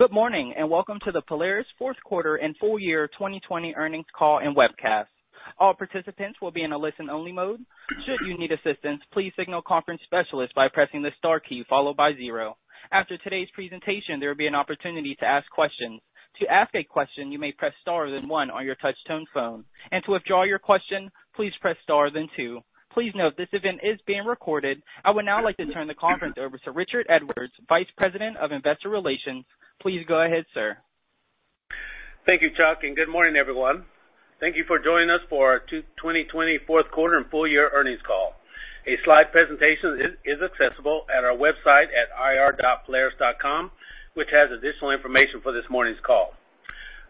Good morning, and welcome to the Polaris fourth quarter and full year 2020 earnings call and webcast. All participants will be in a listen-only mode. Should you need assitance, please signal conference by pressing the star key followed zero. As of today's presentation, there will be an opportunity to ask question. To ask a question, you may press star and one on your touchtone phone and to withdraw your question, please press star then two. Please note that this conference is being recorded. I would now like to turn the conference over to Richard Edwards, Vice President of Investor Relations. Please go ahead, sir. Thank you, Chuck. Good morning, everyone. Thank you for joining us for our 2020 fourth quarter and full year earnings call. A slide presentation is accessible at our website at ir.polaris.com, which has additional information for this morning's call.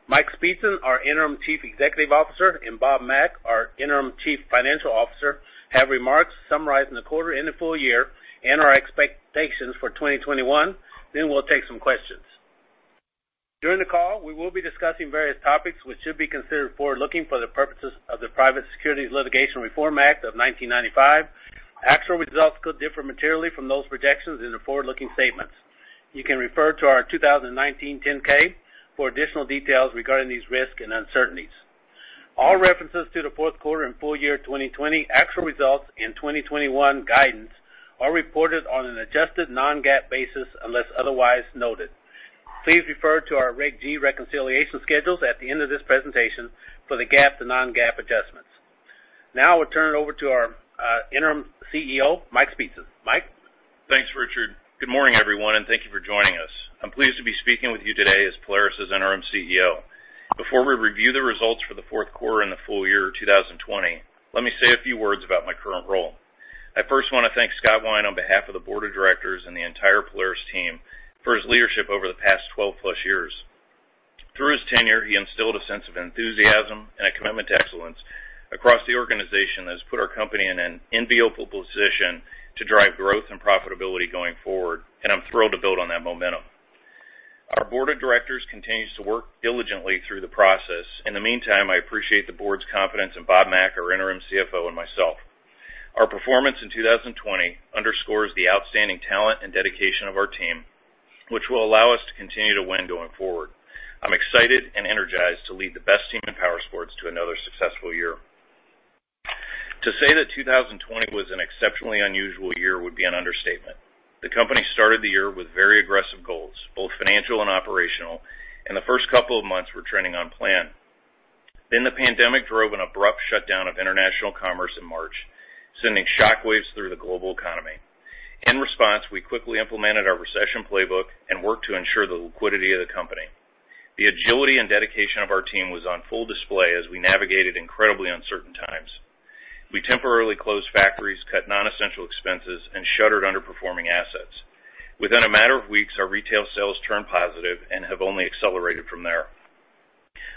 Mike Speetzen, our Interim Chief Executive Officer, and Bob Mack, our Interim Chief Financial Officer, have remarks summarizing the quarter and the full year and our expectations for 2021. We'll take some questions. During the call, we will be discussing various topics which should be considered forward-looking for the purposes of the Private Securities Litigation Reform Act of 1995. Actual results could differ materially from those projections in the forward-looking statements. You can refer to our 2019 10-K for additional details regarding these risks and uncertainties. All references to the fourth quarter and full year 2020 actual results and 2021 guidance are reported on an adjusted non-GAAP basis unless otherwise noted. Please refer to our Reg G reconciliation schedules at the end of this presentation for the GAAP to non-GAAP adjustments. Now, I will turn it over to our Interim CEO, Mike Speetzen. Mike? Thanks, Richard. Good morning, everyone, and thank you for joining us. I'm pleased to be speaking with you today as Polaris' Interim CEO. Before we review the results for the fourth quarter and the full year 2020, let me say a few words about my current role. I first want to thank Scott Wine on behalf of the Board of Directors and the entire Polaris team for his leadership over the past 12+ years. Through his tenure, he instilled a sense of enthusiasm and a commitment to excellence across the organization that has put our company in an enviable position to drive growth and profitability going forward, and I'm thrilled to build on that momentum. Our Board of Directors continues to work diligently through the process. In the meantime, I appreciate the Board's confidence in Bob Mack, our Interim CFO, and myself. Our performance in 2020 underscores the outstanding talent and dedication of our team, which will allow us to continue to win going forward. I'm excited and energized to lead the best team in powersports to another successful year. To say that 2020 was an exceptionally unusual year would be an understatement, the company started the year with very aggressive goals, both financial and operational, and the first couple of months were trending on plan. The pandemic drove an abrupt shutdown of International commerce in March, sending shockwaves through the global economy. In response, we quickly implemented our recession playbook and worked to ensure the liquidity of the company. The agility and dedication of our team was on full display as we navigated incredibly uncertain times. We temporarily closed factories, cut non-essential expenses, and shuttered underperforming assets. Within a matter of weeks, our retail sales turned positive and have only accelerated from there.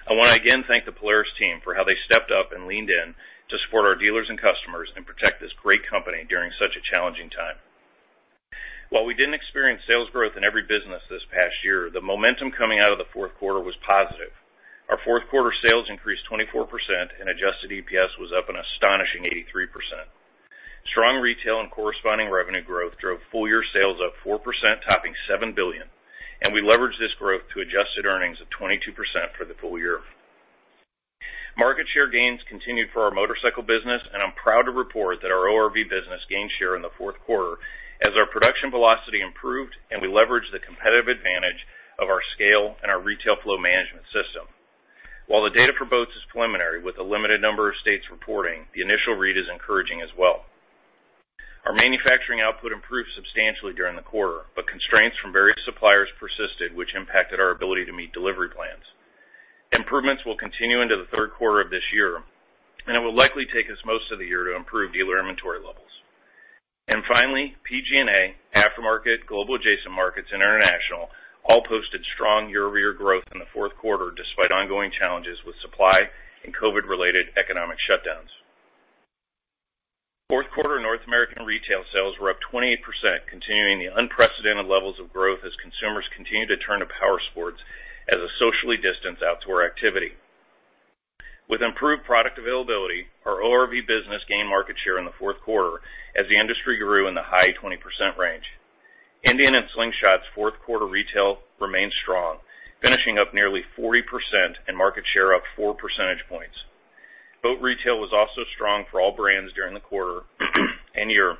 I want to again thank the Polaris team for how they stepped up and leaned in to support our dealers and customers and protect this great company during such a challenging time. While we didn't experience sales growth in every business this past year, the momentum coming out of the fourth quarter was positive. Our fourth quarter sales increased 24%, and adjusted EPS was up an astonishing 83%. Strong retail and corresponding revenue growth drove full year sales up 4%, topping $7 billion, and we leveraged this growth to adjusted earnings of 22% for the full year. Market share gains continued for our motorcycle business, and I'm proud to report that our ORV business gained share in the fourth quarter as our production velocity improved and we leveraged the competitive advantage of our scale and our retail flow management system. While the data for Boats is preliminary with a limited number of states reporting, the initial read is encouraging as well. Our manufacturing output improved substantially during the quarter, but constraints from various suppliers persisted, which impacted our ability to meet delivery plans. Improvements will continue into the third quarter of this year, and it will likely take us most of the year to improve dealer inventory levels. Finally, PG&A, Aftermarket, Global Adjacent Markets, and International all posted strong year-over-year growth in the fourth quarter, despite ongoing challenges with supply and COVID-related economic shutdowns. Fourth quarter North American retail sales were up 28%, continuing the unprecedented levels of growth as consumers continued to turn to powersports as a socially distanced outdoor activity. With improved product availability, our ORV business gained market share in the fourth quarter as the industry grew in the high 20% range. Indian and Slingshot's fourth quarter retail remained strong, finishing up nearly 40% and market share up 4 percentage points. Boat retail was also strong for all brands during the quarter and year,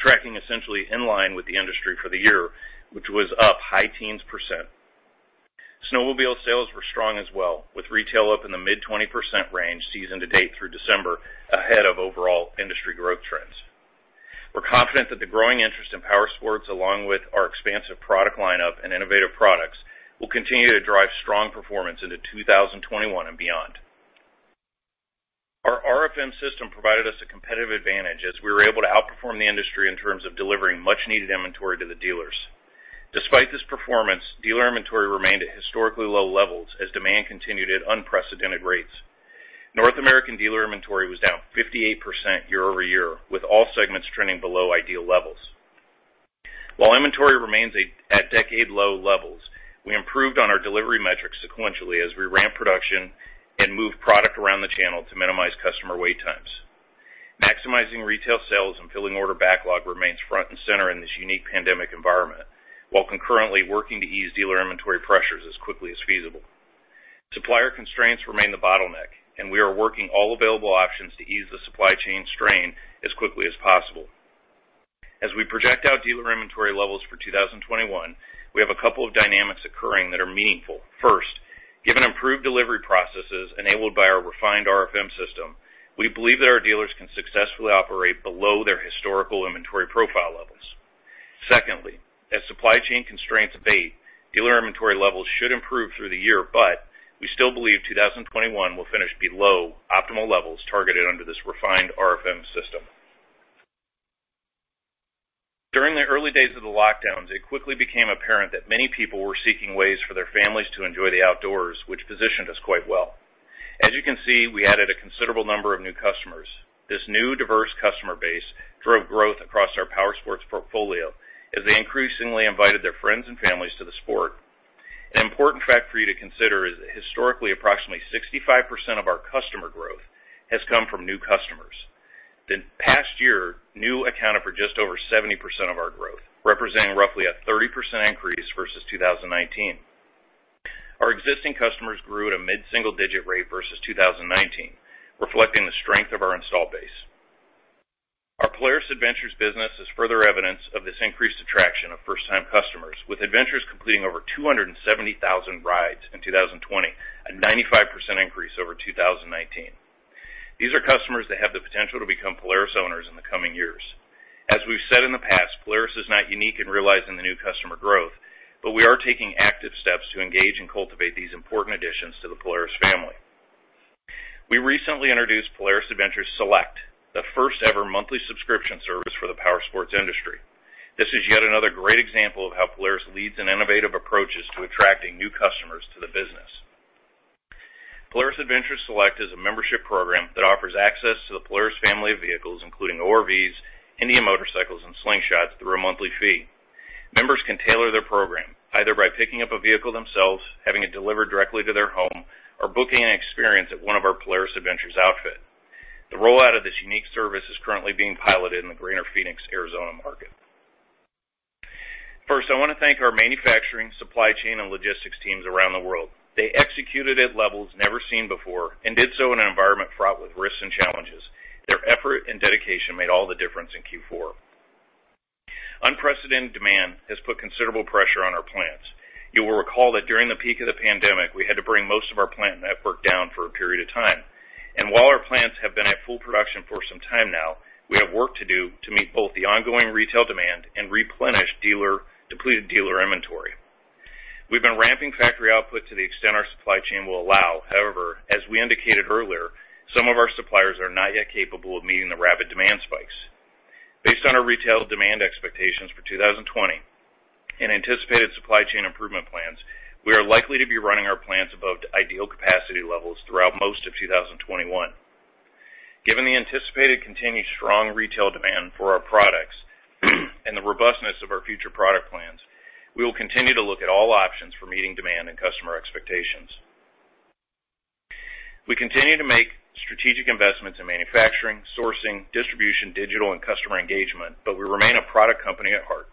tracking essentially in line with the industry for the year, which was up high teens percent. Snowmobile sales were strong as well, with retail up in the mid-20% range season to date through December, ahead of overall industry growth trends. We're confident that the growing interest in powersports, along with our expansive product lineup and innovative products, will continue to drive strong performance into 2021 and beyond. Our RFM system provided us a competitive advantage as we were able to outperform the industry in terms of delivering much-needed inventory to the dealers. Despite this performance, dealer inventory remained at historically low levels as demand continued at unprecedented rates. North American dealer inventory was down 58% year-over-year, with all segments trending below ideal levels. While inventory remains at decade low levels, we improved on our delivery metrics sequentially as we ramped production and moved product around the channel to minimize customer wait times. Maximizing retail sales and filling order backlog remains front and center in this unique pandemic environment, while concurrently working to ease dealer inventory pressures as quickly as feasible. Supplier constraints remain the bottleneck, and we are working all available options to ease the supply chain strain as quickly as possible. As we project out dealer inventory levels for 2021, we have a couple of dynamics occurring that are meaningful. First, given improved delivery processes enabled by our refined RFM system, we believe that our dealers can successfully operate below their historical inventory profile levels. Secondly, as supply chain constraints abate, dealer inventory levels should improve through the year, but we still believe 2021 will finish below optimal levels targeted under this refined RFM system. During the early days of the lockdowns, it quickly became apparent that many people were seeking ways for their families to enjoy the outdoors, which positioned us quite well. As you can see, we added a considerable number of new customers. This new diverse customer base drove growth across our powersports portfolio as they increasingly invited their friends and families to the sport. An important fact for you to consider is that historically, approximately 65% of our customer growth has come from new customers. Then past year, new accounted for just over 70% of our growth, representing roughly a 30% increase versus 2019. Our existing customers grew at a mid-single-digit rate versus 2019, reflecting the strength of our installed base. Our Polaris Adventures business is further evidence of this increased attraction of first-time customers, with Adventures completing over 270,000 rides in 2020, a 95% increase over 2019. These are customers that have the potential to become Polaris owners in the coming years. As we've said in the past, Polaris is not unique in realizing the new customer growth, but we are taking active steps to engage and cultivate these important additions to the Polaris family. We recently introduced Polaris Adventures Select, the first-ever monthly subscription service for the powersports industry. This is yet another great example of how Polaris leads in innovative approaches to attracting new customers to the business. Polaris Adventures Select is a membership program that offers access to the Polaris family of vehicles, including ORVs, Indian Motorcycle, and Slingshot through a monthly fee. Members can tailor their program either by picking up a vehicle themselves, having it delivered directly to their home, or booking an experience at one of our Polaris Adventures outfit. The rollout of this unique service is currently being piloted in the greater Phoenix, Arizona market. I want to thank our manufacturing, supply chain, and logistics teams around the world. They executed at levels never seen before and did so in an environment fraught with risks and challenges. Their effort and dedication made all the difference in Q4. Unprecedented demand has put considerable pressure on our plants. You will recall that during the peak of the pandemic, we had to bring most of our plant network down for a period of time. While our plants have been at full production for some time now, we have work to do to meet both the ongoing retail demand and replenish depleted dealer inventory. We've been ramping factory output to the extent our supply chain will allow. However, as we indicated earlier, some of our suppliers are not yet capable of meeting the rapid demand spikes. Based on our retail demand expectations for 2020 and anticipated supply chain improvement plans, we are likely to be running our plants above ideal capacity levels throughout most of 2021. Given the anticipated continued strong retail demand for our products and the robustness of our future product plans, we will continue to look at all options for meeting demand and customer expectations. We continue to make strategic investments in manufacturing, sourcing, distribution, digital, and customer engagement, but we remain a product company at heart.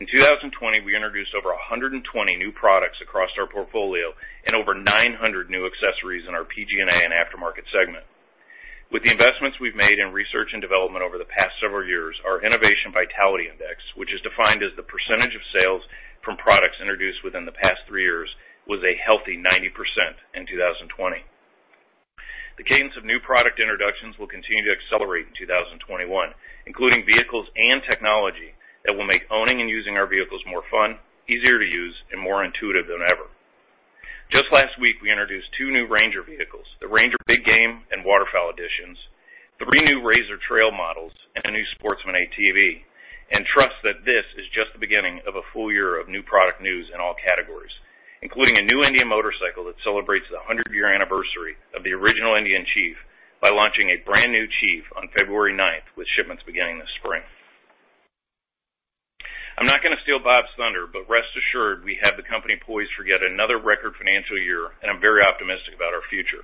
In 2020, we introduced over 120 new products across our portfolio and over 900 new accessories in our PG&A and Aftermarket segment. With the investments we've made in research and development over the past several years, our innovation vitality index, which is defined as the percentage of sales from products introduced within the past three years, was a healthy 90% in 2020. The cadence of new product introductions will continue to accelerate in 2021, including vehicles and technology that will make owning and using our vehicles more fun, easier to use, and more intuitive than ever. Just last week, we introduced two new RANGER vehicles, the RANGER Big Game and Waterfowl Editions, three new RZR Trail models, and a new Sportsman ATV. Trust that this is just the beginning of a full year of new product news in all categories, including a new Indian Motorcycle that celebrates the 100-year anniversary of the original Indian Chief by launching a brand new Chief on February 9th, with shipments beginning this spring. I'm not going to steal Bob's thunder, but rest assured, we have the company poised for yet another record financial year, and I'm very optimistic about our future.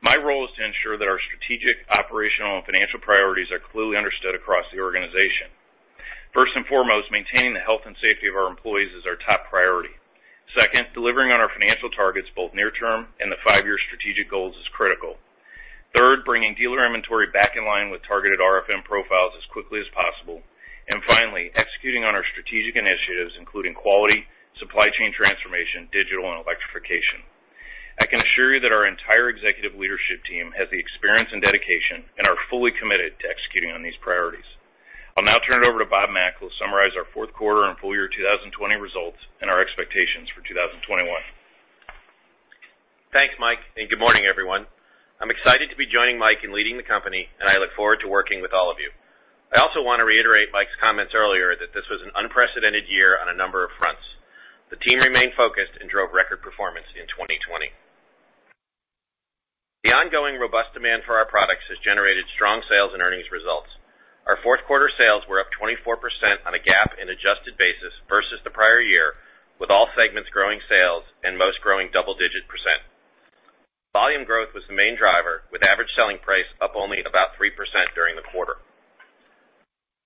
My role is to ensure that our strategic, operational, and financial priorities are clearly understood across the organization. First and foremost, maintaining the health and safety of our employees is our top priority. Second, delivering on our financial targets, both near term and the five-year strategic goals is critical. Third, bringing dealer inventory back in line with targeted RFM profiles as quickly as possible. Finally, executing on our strategic initiatives, including quality, supply chain transformation, digital, and electrification. I can assure you that our entire executive leadership team has the experience and dedication and are fully committed to executing on these priorities. I'll now turn it over to Bob Mack, who will summarize our fourth quarter and full year 2020 results and our expectations for 2021. Thanks, Mike, and good morning, everyone. I'm excited to be joining Mike in leading the company, and I look forward to working with all of you. I also want to reiterate Mike's comments earlier that this was an unprecedented year on a number of fronts. The team remained focused and drove record performance in 2020. The ongoing robust demand for our products has generated strong sales and earnings results. Our fourth quarter sales were up 24% on a GAAP and adjusted basis versus the prior year, with all segments growing sales and most growing double digits. Volume growth was the main driver, with average selling price up only about 3% during the quarter.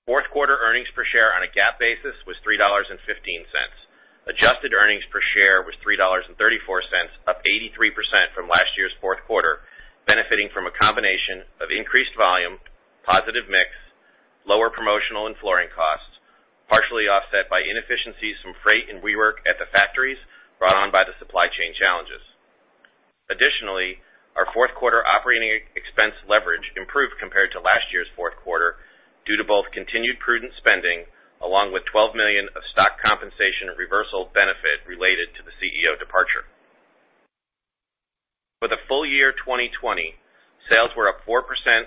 Fourth quarter earnings per share on a GAAP basis was $3.15. Adjusted earnings per share was $3.34, up 83% from last year's fourth quarter, benefiting from a combination of increased volume, positive mix, lower promotional and flooring costs, partially offset by inefficiencies from freight and rework at the factories brought on by the supply chain challenges. Additionally, our fourth quarter operating expense leverage improved compared to last year's fourth quarter due to both continued prudent spending, along with $12 million of stock compensation reversal benefit related to the CEO departure. For the full year 2020, sales were up 4%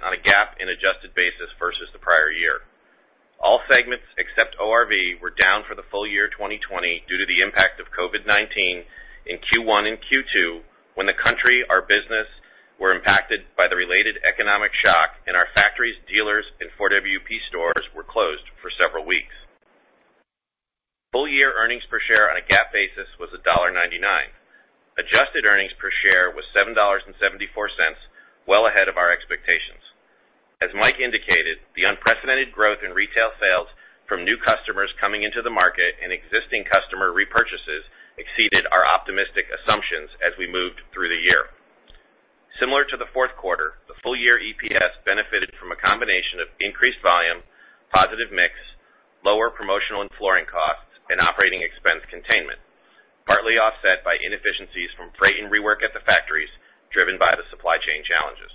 on a GAAP and adjusted basis versus the prior year. All segments except ORV were down for the full year 2020 due to the impact of COVID-19 in Q1 and Q2, when the country, our business, were impacted by the related economic shock and our factories, dealers, and 4WP stores were closed for several weeks. Full year earnings per share on a GAAP basis was $1.99. Adjusted earnings per share was $7.74, well ahead of our expectations. As Mike indicated, the unprecedented growth in retail sales from new customers coming into the market and existing customer repurchases exceeded our optimistic assumptions as we moved through the year. Similar to the fourth quarter, the full year EPS benefited from a combination of increased volume, positive mix, lower promotional and flooring costs, and operating expense containment, partly offset by inefficiencies from freight and rework at the factories driven by the supply chain challenges.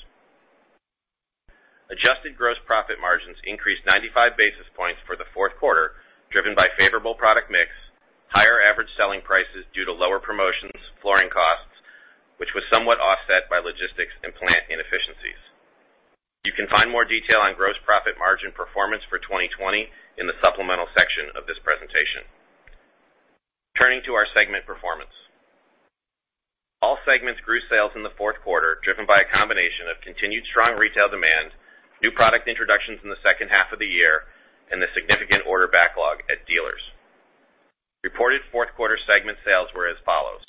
Adjusted gross profit margins increased 95 basis points for the fourth quarter, driven by favorable product mix, higher average selling prices due to lower promotions, flooring costs, which was somewhat offset by logistics and plant inefficiencies. You can find more detail on gross profit margin performance for 2020 in the supplemental section of this presentation. Turning to our segment performance. All segments grew sales in the fourth quarter, driven by a combination of continued strong retail demand, new product introductions in the second half of the year, and the significant order backlog at dealers. Reported fourth quarter segment sales were as follows: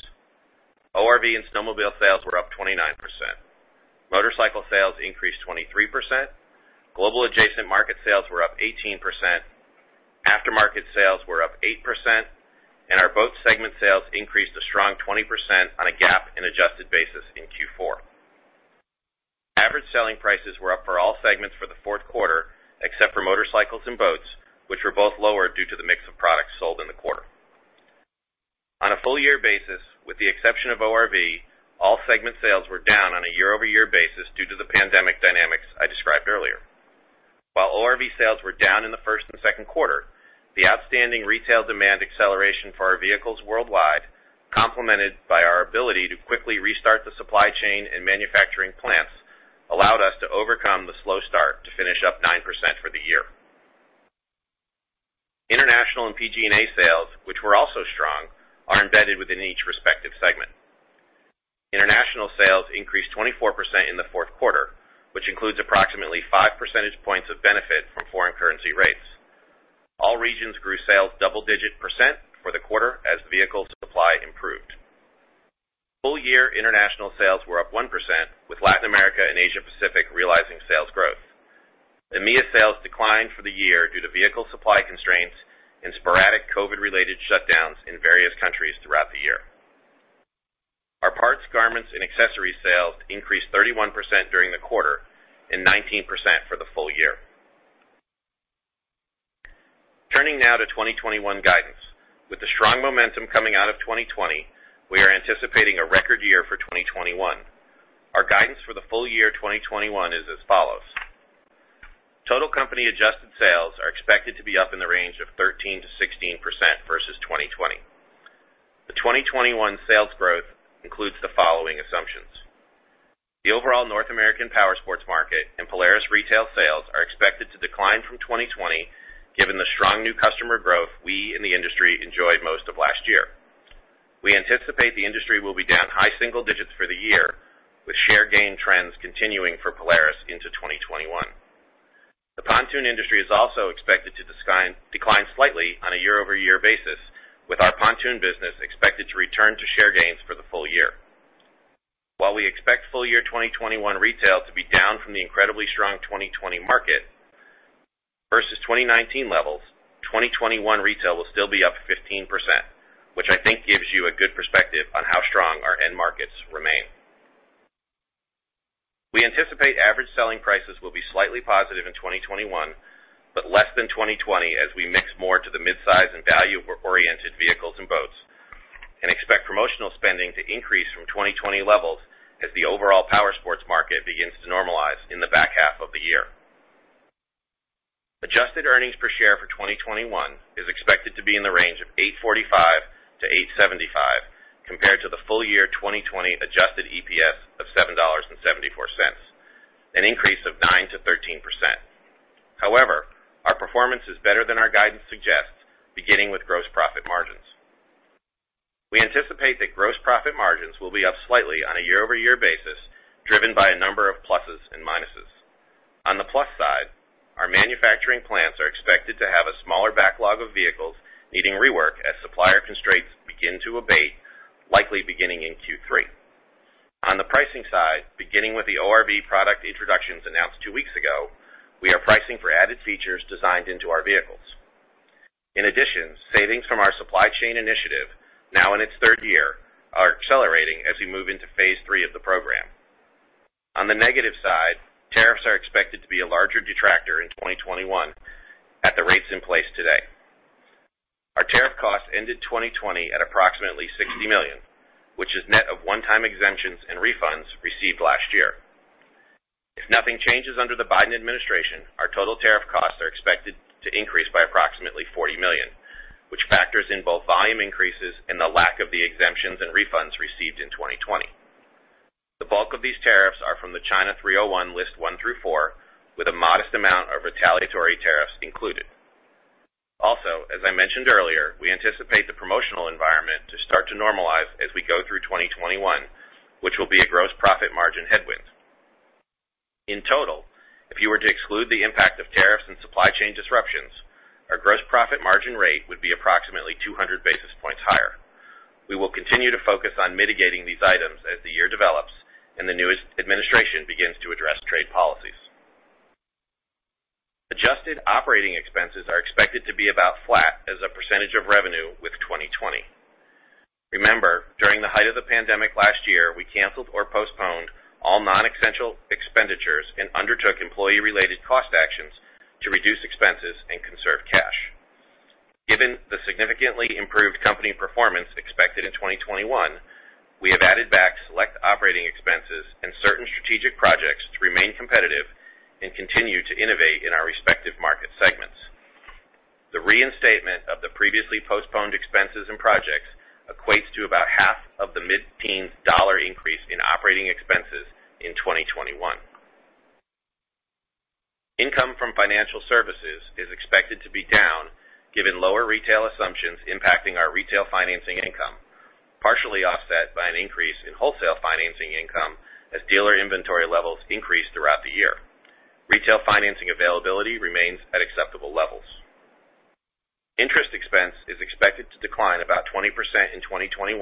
ORV and Snowmobile sales were up 29%. Motorcycle sales increased 23%. Global adjacent market sales were up 18%. Aftermarket sales were up 8%, and our Boats segment sales increased a strong 20% on a GAAP and adjusted basis in Q4. Average selling prices were up for all segments for the fourth quarter except for Motorcycles and Boats, which were both lower due to the mix of products sold in the quarter. On a full year basis, with the exception of ORV, all segment sales were down on a year-over-year basis due to the pandemic dynamics I described earlier. While ORV sales were down in the first and second quarter, the outstanding retail demand acceleration for our vehicles worldwide, complemented by our ability to quickly restart the supply chain and manufacturing plants, allowed us to overcome the slow start to finish up 9% for the year. International and PG&A sales, which were also strong, are embedded within each respective segment. International sales increased 24% in the fourth quarter, which includes approximately 5 percentage points of benefit from foreign currency rates. All regions grew sales double-digit percent for the quarter as vehicle supply improved. Full year International sales were up 1% with Latin America and Asia Pacific realizing sales growth. EMEA sales declined for the year due to vehicle supply constraints and sporadic COVID-related shutdowns in various countries throughout the year. Our parts, garments, and accessories sales increased 31% during the quarter and 19% for the full year. Turning now to 2021 guidance. With the strong momentum coming out of 2020, we are anticipating a record year for 2021. Our guidance for the full year 2021 is as follows. Total company adjusted sales are expected to be up in the range of 13%-16% versus 2020. The 2021 sales growth includes the following assumptions. The overall North American powersports market and Polaris retail sales are expected to decline from 2020 given the strong new customer growth we in the industry enjoyed most of last year. We anticipate the industry will be down high single digits for the year, with share gain trends continuing for Polaris into 2021. The pontoon industry is also expected to decline slightly on a year-over-year basis, with our pontoon business expected to return to share gains for the full year. While we expect full year 2021 retail to be down from the incredibly strong 2020 market, versus 2019 levels, 2021 retail will still be up 15%, which I think gives you a good perspective on how strong our end markets remain. We anticipate average selling prices will be slightly positive in 2021, but less than 2020 as we mix more to the midsize and value-oriented vehicles and Boats, and expect promotional spending to increase from 2020 levels as the overall powersports market begins to normalize in the back half of the year. Adjusted earnings per share for 2021 is expected to be in the range of $8.45-$8.75, compared to the full year 2020 adjusted EPS of $7.74, an increase of 9%-13%. However, our performance is better than our guidance suggests, beginning with gross profit margins. We anticipate that gross profit margins will be up slightly on a year-over-year basis, driven by a number of pluses and minuses. On the plus side, our manufacturing plants are expected to have a smaller backlog of vehicles needing rework as supplier constraints begin to abate, likely beginning in Q3. On the pricing side, beginning with the ORV product introductions announced two weeks ago, we are pricing for added features designed into our vehicles. In addition, savings from our supply chain initiative, now in its third year, are accelerating as we move into Phase 3 of the program. On the negative side, tariffs are expected to be a larger detractor in 2021 at the rates in place today. Our tariff costs ended 2020 at approximately $60 million, which is net of one-time exemptions and refunds received last year. If nothing changes under the Biden administration, our total tariff costs are expected to increase by approximately $40 million, which factors in both volume increases and the lack of the exemptions and refunds received in 2020. The bulk of these tariffs are from the China 301 list one through four, with a modest amount of retaliatory tariffs included. Also, as I mentioned earlier, we anticipate the promotional environment to start to normalize as we go through 2021, which will be a gross profit margin headwind. In total, if you were to exclude the impact of tariffs and supply chain disruptions, our gross profit margin rate would be approximately 200 basis points higher. We will continue to focus on mitigating these items as the year develops and the newest administration begins to address trade policies. Adjusted operating expenses are expected to be about flat as a percentage of revenue with 2020. Remember, during the height of the pandemic last year, we canceled or postponed all non-essential expenditures and undertook employee-related cost actions to reduce expenses and conserve cash. Given the significantly improved company performance expected in 2021, we have added back select operating expenses and certain strategic projects to remain competitive and continue to innovate in our respective market segments. The reinstatement of the previously postponed expenses and projects equates to about half of the mid-teen dollar increase in operating expenses in 2021. Income from financial services is expected to be down given lower retail assumptions impacting our retail financing income, partially offset by an increase in wholesale financing income as dealer inventory levels increase throughout the year. Retail financing availability remains at acceptable levels. Interest expense is expected to decline about 20% in 2021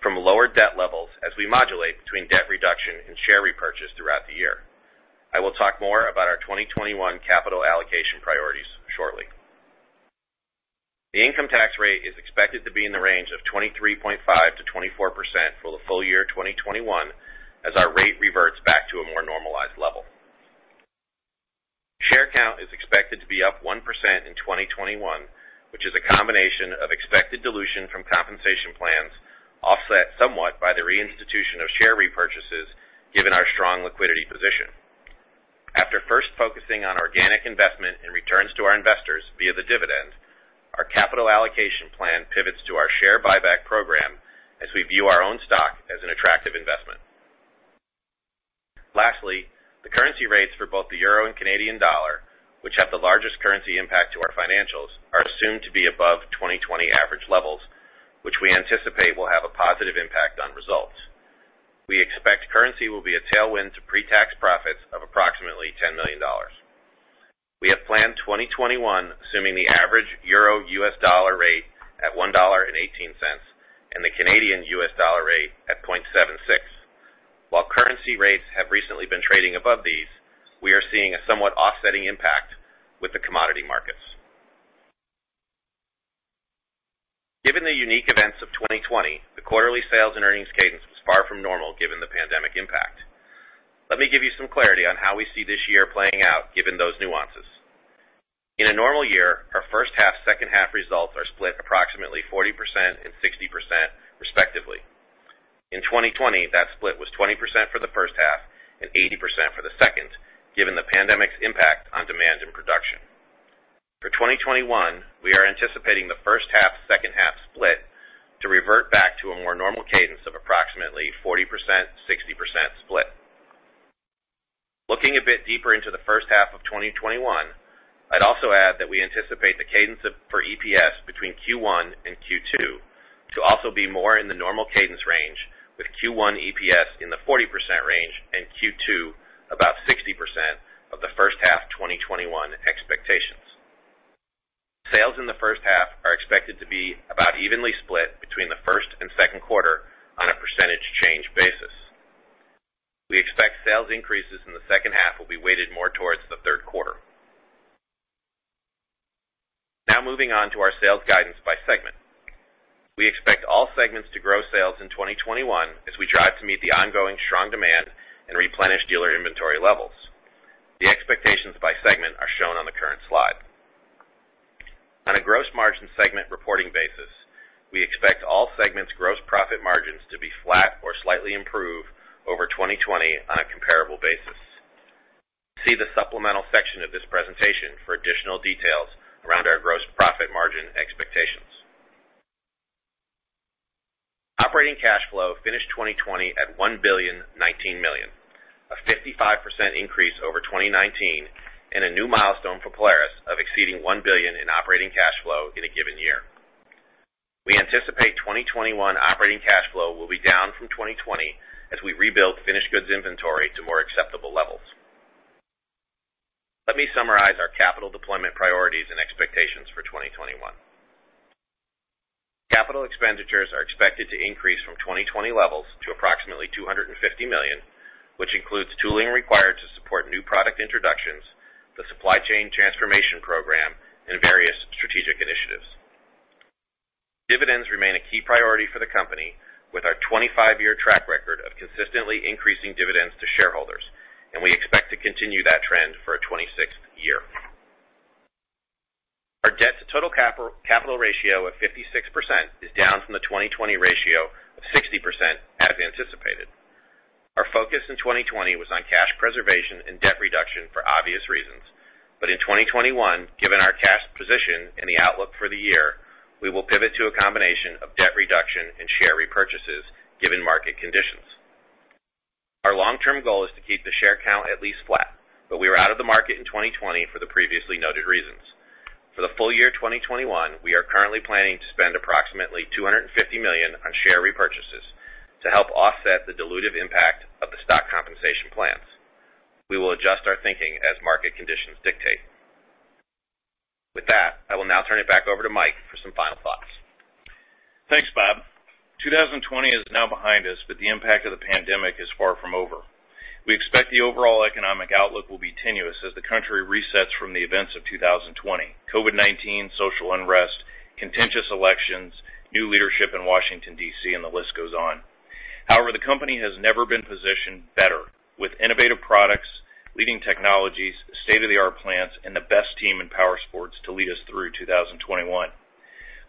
from lower debt levels as we modulate between debt reduction and share repurchase throughout the year. I will talk more about our 2021 capital allocation priorities shortly. The income tax rate is expected to be in the range of 23.5%-24% for the full year 2021 as our rate reverts back to a more normalized level. Share count is expected to be up 1% in 2021, which is a combination of expected dilution from compensation plans, offset somewhat by the reinstitution of share repurchases given our strong liquidity position. After first focusing on organic investment and returns to our investors via the dividend, our capital allocation plan pivots to our share buyback program as we view our own stock as an attractive investment. Lastly, the currency rates for both the euro and Canadian dollar, which have the largest currency impact to our financials, are assumed to be above 2020 average levels, which we anticipate will have a positive impact on results. We expect currency will be a tailwind to pre-tax profits of approximately $10 million. We have planned 2021 assuming the average euro/U.S. dollar rate at $1.18 and the Canadian/U.S. dollar rate at $0.76. While currency rates have recently been trading above these, we are seeing a somewhat offsetting impact with the commodity markets. Given the unique events of 2020, the quarterly sales and earnings cadence was far from normal given the pandemic impact. Let me give you some clarity on how we see this year playing out given those nuances. In a normal year, our first half, second half results are split approximately 40% and 60%, respectively. In 2020, that split was 20% for the first half and 80% for the second, given the pandemic's impact on demand and production. For 2021, we are anticipating the first half, second half split to revert back to a more normal cadence of approximately 40%-60% split. Looking a bit deeper into the first half of 2021, I'd also add that we anticipate the cadence for EPS between Q1 and Q2 to also be more in the normal cadence range with Q1 EPS in the 40% range and Q2 about 60% of the first half 2021 expectations. Sales in the first half are expected to be about evenly split between the first and second quarter on a percentage change basis. We expect sales increases in the second half will be weighted more towards the third quarter. Now moving on to our sales guidance by segment. We expect all segments to grow sales in 2021 as we drive to meet the ongoing strong demand and replenish dealer inventory levels. The expectations by segment are shown on the current slide. On a gross margin segment reporting basis, we expect all segments' gross profit margins to be flat or slightly improve over 2020 on a comparable basis. See the supplemental section of this presentation for additional details around our gross profit margin expectations. Operating cash flow finished 2020 at $1,019 million, a 55% increase over 2019 and a new milestone for Polaris of exceeding $1 billion in operating cash flow in a given year. We anticipate 2021 operating cash flow will be down from 2020 as we rebuild finished goods inventory to more acceptable levels. Let me summarize our capital deployment priorities and expectations for 2021. Capital expenditures are expected to increase from 2020 levels to approximately $250 million, which includes tooling required to support new product introductions, the supply chain transformation program, and various strategic initiatives. Dividends remain a key priority for the company with our 25-year track record of consistently increasing dividends to shareholders, and we expect to continue that trend for a 26th year. Our debt-to-total capital ratio of 56% is down from the 2020 ratio of 60%, as anticipated. Our focus in 2020 was on cash preservation and debt reduction for obvious reasons. In 2021, given our cash position and the outlook for the year, we will pivot to a combination of debt reduction and share repurchases, given market conditions. Our long-term goal is to keep the share count at least flat, but we were out of the market in 2020 for the previously noted reasons. For the full year 2021, we are currently planning to spend approximately $250 million on share repurchases to help offset the dilutive impact of the stock compensation plans. We will adjust our thinking as market conditions dictate. With that, I will now turn it back over to Mike for some final thoughts. Thanks, Bob. 2020 is now behind us, but the impact of the pandemic is far from over. We expect the overall economic outlook will be tenuous as the country resets from the events of 2020. COVID-19, social unrest, contentious elections, new leadership in Washington, D.C., and the list goes on. However, the company has never been positioned better with innovative products, leading technologies, state-of-the-art plants, and the best team in powersports to lead us through 2021.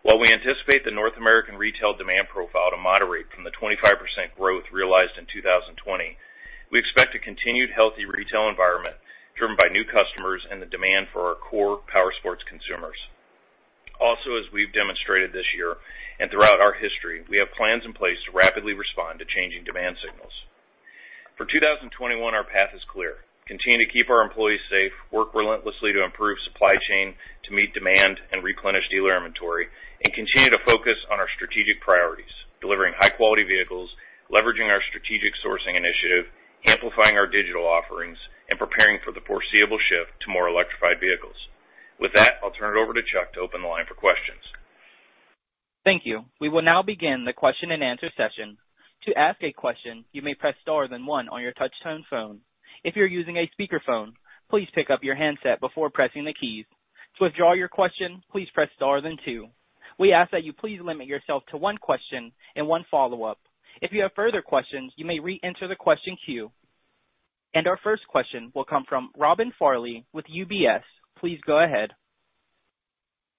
While we anticipate the North American retail demand profile to moderate from the 25% growth realized in 2020, we expect a continued healthy retail environment driven by new customers and the demand for our core powersports consumers. Also, as we've demonstrated this year and throughout our history, we have plans in place to rapidly respond to changing demand signals. For 2021, our path is clear. Continue to keep our employees safe, work relentlessly to improve supply chain to meet demand and replenish dealer inventory, and continue to focus on our strategic priorities. Delivering high-quality vehicles, leveraging our strategic sourcing initiative, amplifying our digital offerings, and preparing for the foreseeable shift to more electrified vehicles. With that, I'll turn it over to Chuck to open the line for questions. Thank you. We will now begin the question-and-answer session. To ask a question, you may press star then one on your touchtone phone. If you're using a speaker phone, please pick up your handset before presing the keys. To withdraw your question, please star then two. We ask that you please limit yourself to one question and one follow up. If you have further questions, you may re-enter the question queue. Our first question will come from Robin Farley with UBS. Please go ahead.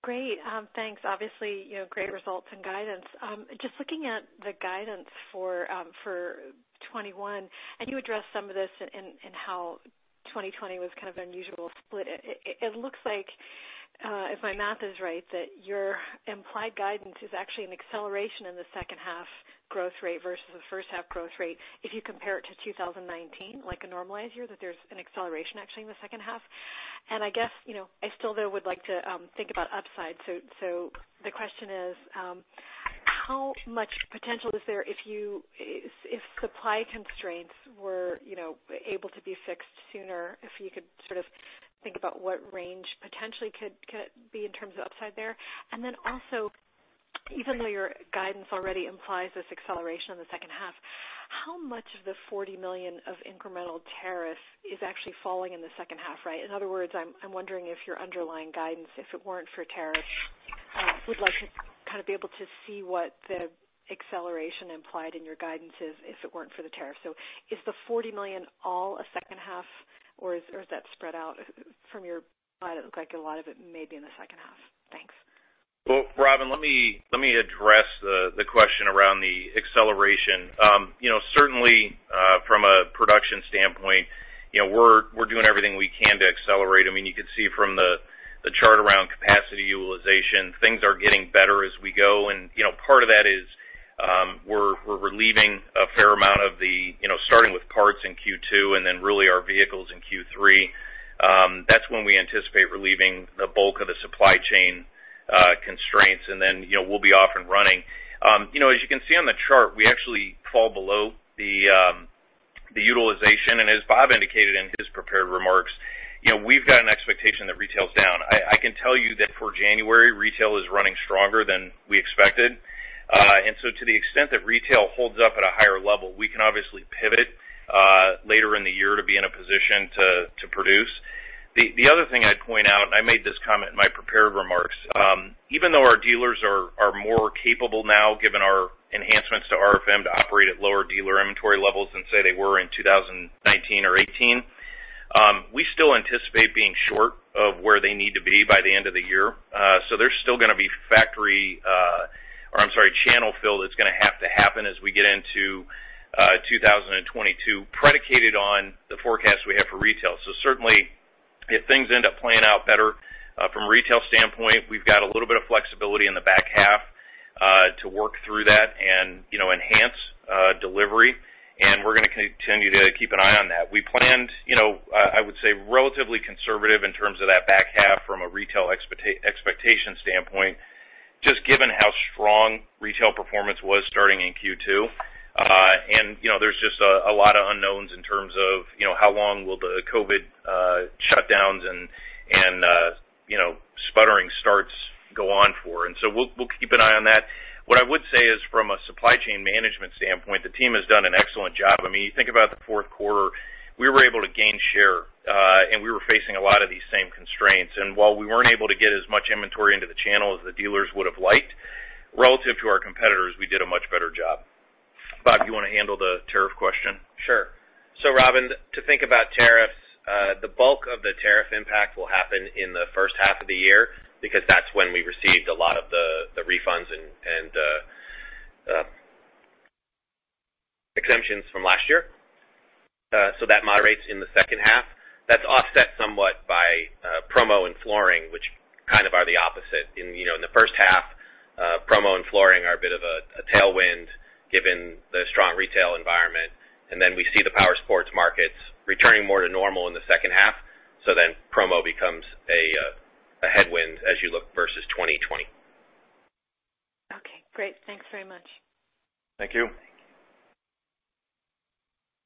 Great. Thanks. Obviously, great results and guidance. Just looking at the guidance for 2021, you addressed some of this in how 2020 was kind of an unusual split. It looks like, if my math is right, that your implied guidance is actually an acceleration in the second half growth rate versus the first half growth rate. If you compare it to 2019, like a normalized year, that there's an acceleration actually in the second half. I guess, I still, though, would like to think about upside. The question is, how much potential is there if supply constraints were able to be fixed sooner? If you could sort of think about what range potentially could be in terms of upside there. Then also, even though your guidance already implies this acceleration in the second half, how much of the $40 million of incremental tariffs is actually falling in the second half, right? In other words, I'm wondering if your underlying guidance, if it weren't for tariffs, would like to kind of be able to see what the acceleration implied in your guidance is if it weren't for the tariff. Is the $40 million all a second half, or is that spread out? From your slide, it looked like a lot of it may be in the second half. Thanks. Well, Robin, let me address the question around the acceleration. Certainly, from a production standpoint, we're doing everything we can to accelerate. I mean, you could see from the chart around capacity utilization, things are getting better as we go. Part of that is we're relieving a fair amount of the, starting with parts in Q2, and then really our vehicles in Q3. That's when we anticipate relieving the bulk of the supply chain constraints, and then we'll be off and running. As you can see on the chart, we actually fall below the utilization. As Bob indicated in his prepared remarks, we've got an expectation that retail's down. I can tell you that for January, retail is running stronger than we expected. To the extent that retail holds up at a higher level, we can obviously pivot later in the year to be in a position to produce. The other thing I'd point out, and I made this comment in my prepared remarks. Even though our dealers are more capable now, given our enhancements to RFM to operate at lower dealer inventory levels than, say, they were in 2019 or 2018, we still anticipate being short of where they need to be by the end of the year. There's still going to be factory, or I'm sorry, channel fill that's going to have to happen as we get into 2022, predicated on the forecast we have for retail. Certainly, if things end up playing out better from a retail standpoint, we've got a little bit of flexibility in the back half to work through that and enhance delivery. We're going to continue to keep an eye on that. We planned, I would say, relatively conservative in terms of that back half from a retail expectation standpoint, just given how strong retail performance was starting in Q2. There's just a lot of unknowns in terms of how long will the COVID shutdowns and sputtering starts go on for and so we'll keep an eye on that. What I would say is from a supply chain management standpoint, the team has done an excellent job. You think about the fourth quarter, we were able to gain share, and we were facing a lot of these same constraints. While we weren't able to get as much inventory into the channel as the dealers would've liked, relative to our competitors, we did a much better job. Bob, do you want to handle the tariff question? Sure. Robin, to think about tariffs, the bulk of the tariff impact will happen in the first half of the year because that's when we received a lot of the refunds and exemptions from last year, so that moderates in the second half. That's offset somewhat by promo and flooring, which kind of are the opposite. In the first half, promo and flooring are a bit of a tailwind given the strong retail environment and then we see the powersports markets returning more to normal in the second half. Promo becomes a headwind as you look versus 2020. Okay, great. Thanks very much. Thank you. Thank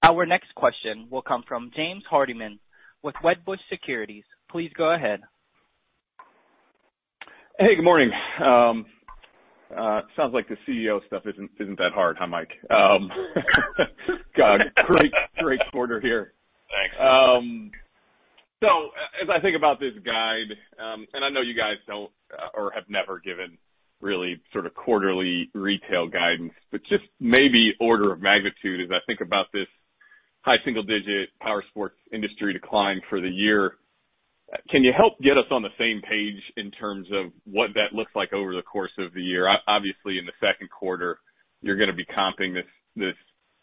you. Our next question will come from James Hardiman with Wedbush Securities. Please go ahead. Hey, good morning. Sounds like the CEO stuff isn't that hard, huh, Mike? God, great quarter here. Thanks. As I think about this guide, and I know you guys don't or have never given really sort of quarterly retail guidance, just maybe order of magnitude as I think about this high single-digit powersports industry decline for the year, can you help get us on the same page in terms of what that looks like over the course of the year? Obviously, in the second quarter, you're going to be comping this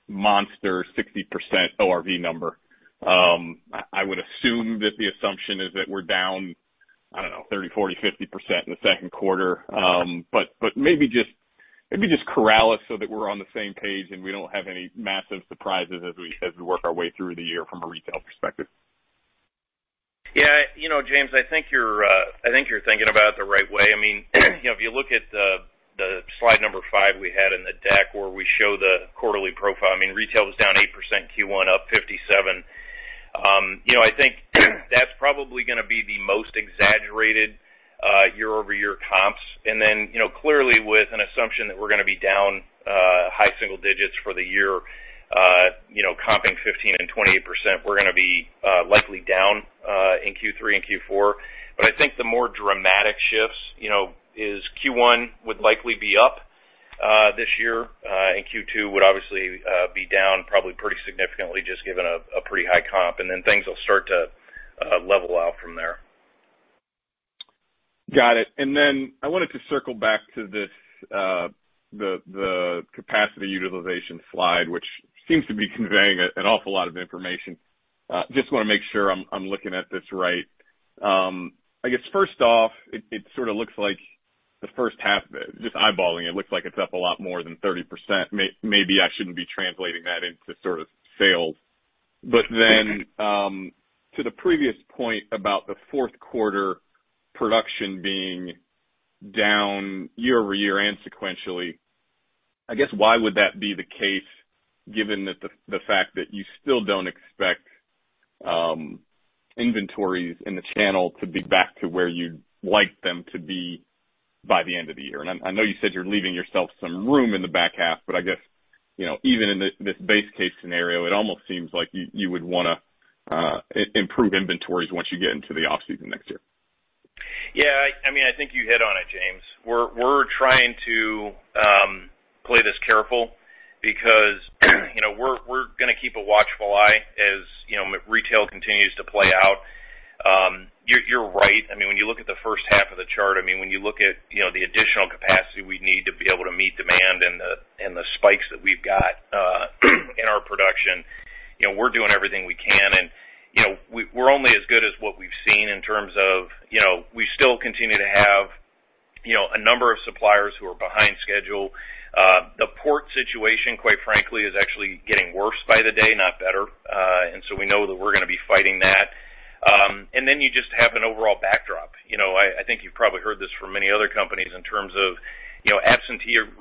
monster 60% ORV number. I would assume that the assumption is that we're down, I don't know, 30%, 40%, 50% in the second quarter. Maybe just corral us so that we're on the same page and we don't have any massive surprises as we work our way through the year from a retail perspective. Yeah. James, I think you're thinking about it the right way. If you look at the slide number five we had in the deck where we show the quarterly profile, retail was down 8% Q1, up 57%. I think that's probably going to be the most exaggerated year-over-year comps. Clearly with an assumption that we're going to be down high single digits for the year, comping 15% and 28%, we're going to be likely down in Q3 and Q4, but I think the more dramatic shifts is Q1 would likely be up this year, and Q2 would obviously be down probably pretty significantly just given a pretty high comp, and then things will start to level out from there. Got it. Then I wanted to circle back to the capacity utilization slide, which seems to be conveying an awful lot of information. Just want to make sure I'm looking at this right. I guess first off, it sort of looks like the first half, just eyeballing it, looks like it's up a lot more than 30%. Maybe I shouldn't be translating that into sort of sales, but then, to the previous point about the fourth quarter production being down year-over-year and sequentially. I guess why would that be the case given the fact that you still don't expect inventories in the channel to be back to where you'd like them to be by the end of the year? I know you said you're leaving yourself some room in the back half, but I guess, even in this base case scenario, it almost seems like you would want to improve inventories once you get into the off-season next year. Yeah. I think you hit on it, James. We're trying to play this careful because we're going to keep a watchful eye as retail continues to play out. You're right. When you look at the first half of the chart, when you look at the additional capacity we need to be able to meet demand and the spikes that we've got in our production, we're doing everything we can. We're only as good as what we've seen in terms of, we still continue to have a number of suppliers who are behind schedule. The port situation, quite frankly, is actually getting worse by the day, not better. We know that we're going to be fighting that. You just have an overall backdrop. I think you've probably heard this from many other companies in terms of absenteeism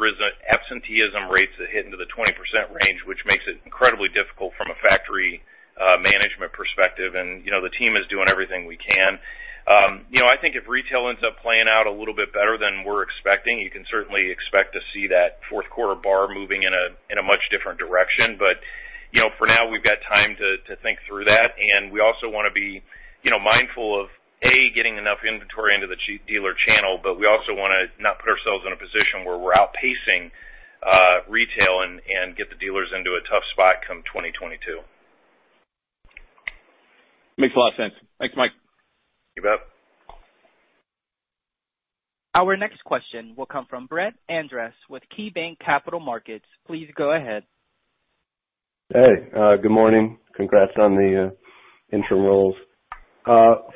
rates that hit into the 20% range, which makes it incredibly difficult from a factory management perspective. The team is doing everything we can. I think if retail ends up playing out a little bit better than we're expecting, you can certainly expect to see that fourth quarter bar moving in a much different direction. For now, we've got time to think through that, and we also want to be mindful of, A, getting enough inventory into the dealer channel, but we also want to not put ourselves in a position where we're outpacing retail and get the dealers into a tough spot come 2022. Makes a lot of sense. Thanks, Mike. You bet. Our next question will come from Brett Andress with KeyBanc Capital Markets. Please go ahead. Hey, good morning. Congrats on the interim roles.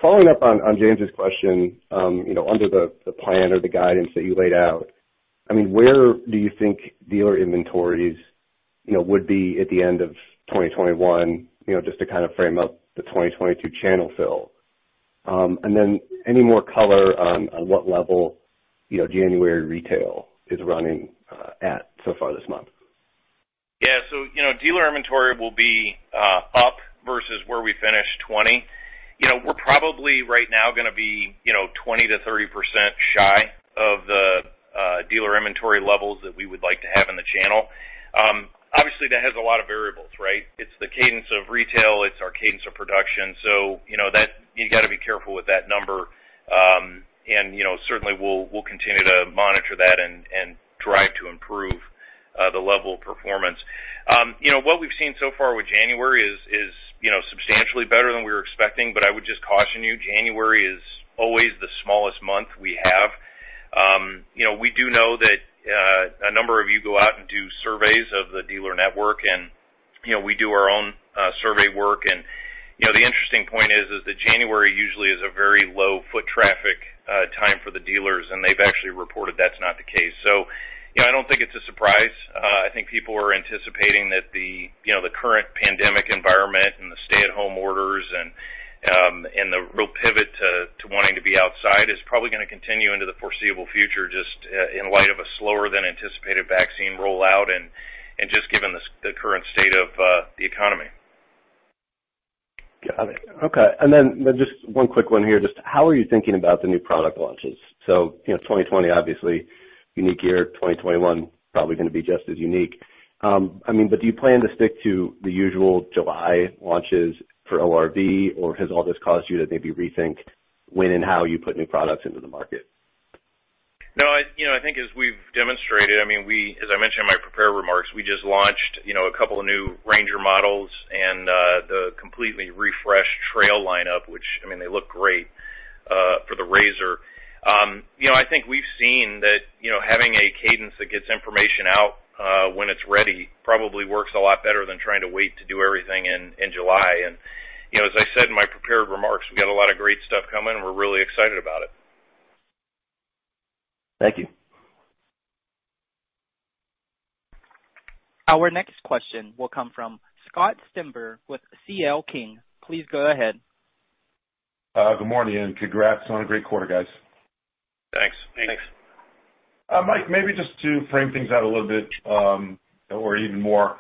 Following up on James' question, under the plan or the guidance that you laid out, where do you think dealer inventories would be at the end of 2021, just to kind of frame up the 2022 channel fill and then any more color on what level January retail is running at so far this month? Yeah. Dealer inventory will be up versus where we finished 2020. We're probably right now going to be 20%-30% shy of the dealer inventory levels that we would like to have in the channel. Obviously, that has a lot of variables, right? It's the cadence of retail, it's our cadence of production. You've got to be careful with that number and certainly, we'll continue to monitor that and drive to improve the level of performance. What we've seen so far with January is substantially better than we were expecting, but I would just caution you, January is always the smallest month we have. We do know that a number of you go out and do surveys of the dealer network, and we do our own survey work. The interesting point is that January usually is a very low foot traffic time for the dealers, and they've actually reported that's not the case. I don't think it's a surprise. I think people were anticipating that the current pandemic environment and the stay-at-home orders and the real pivot to wanting to be outside is probably going to continue into the foreseeable future, just in light of a slower-than-anticipated vaccine rollout and just given the current state of the economy. Got it. Okay. Just one quick one here. Just how are you thinking about the new product launches? 2020, obviously unique year. 2021, probably going to be just as unique. Do you plan to stick to the usual July launches for ORV, or has all this caused you to maybe rethink when and how you put new products into the market? No. I think as we've demonstrated, as I mentioned in my prepared remarks, we just launched a couple of new RANGER models and the completely refreshed RZR Trail lineup, which, they look great for the RZR. I think we've seen that having a cadence that gets information out when it's ready probably works a lot better than trying to wait to do everything in July. As I said in my prepared remarks, we've got a lot of great stuff coming, and we're really excited about it. Thank you. Our next question will come from Scott Stember with C.L. King. Please go ahead. Good morning, and congrats on a great quarter, guys. Thanks. Thanks. Mike, maybe just to frame things out a little bit, or even more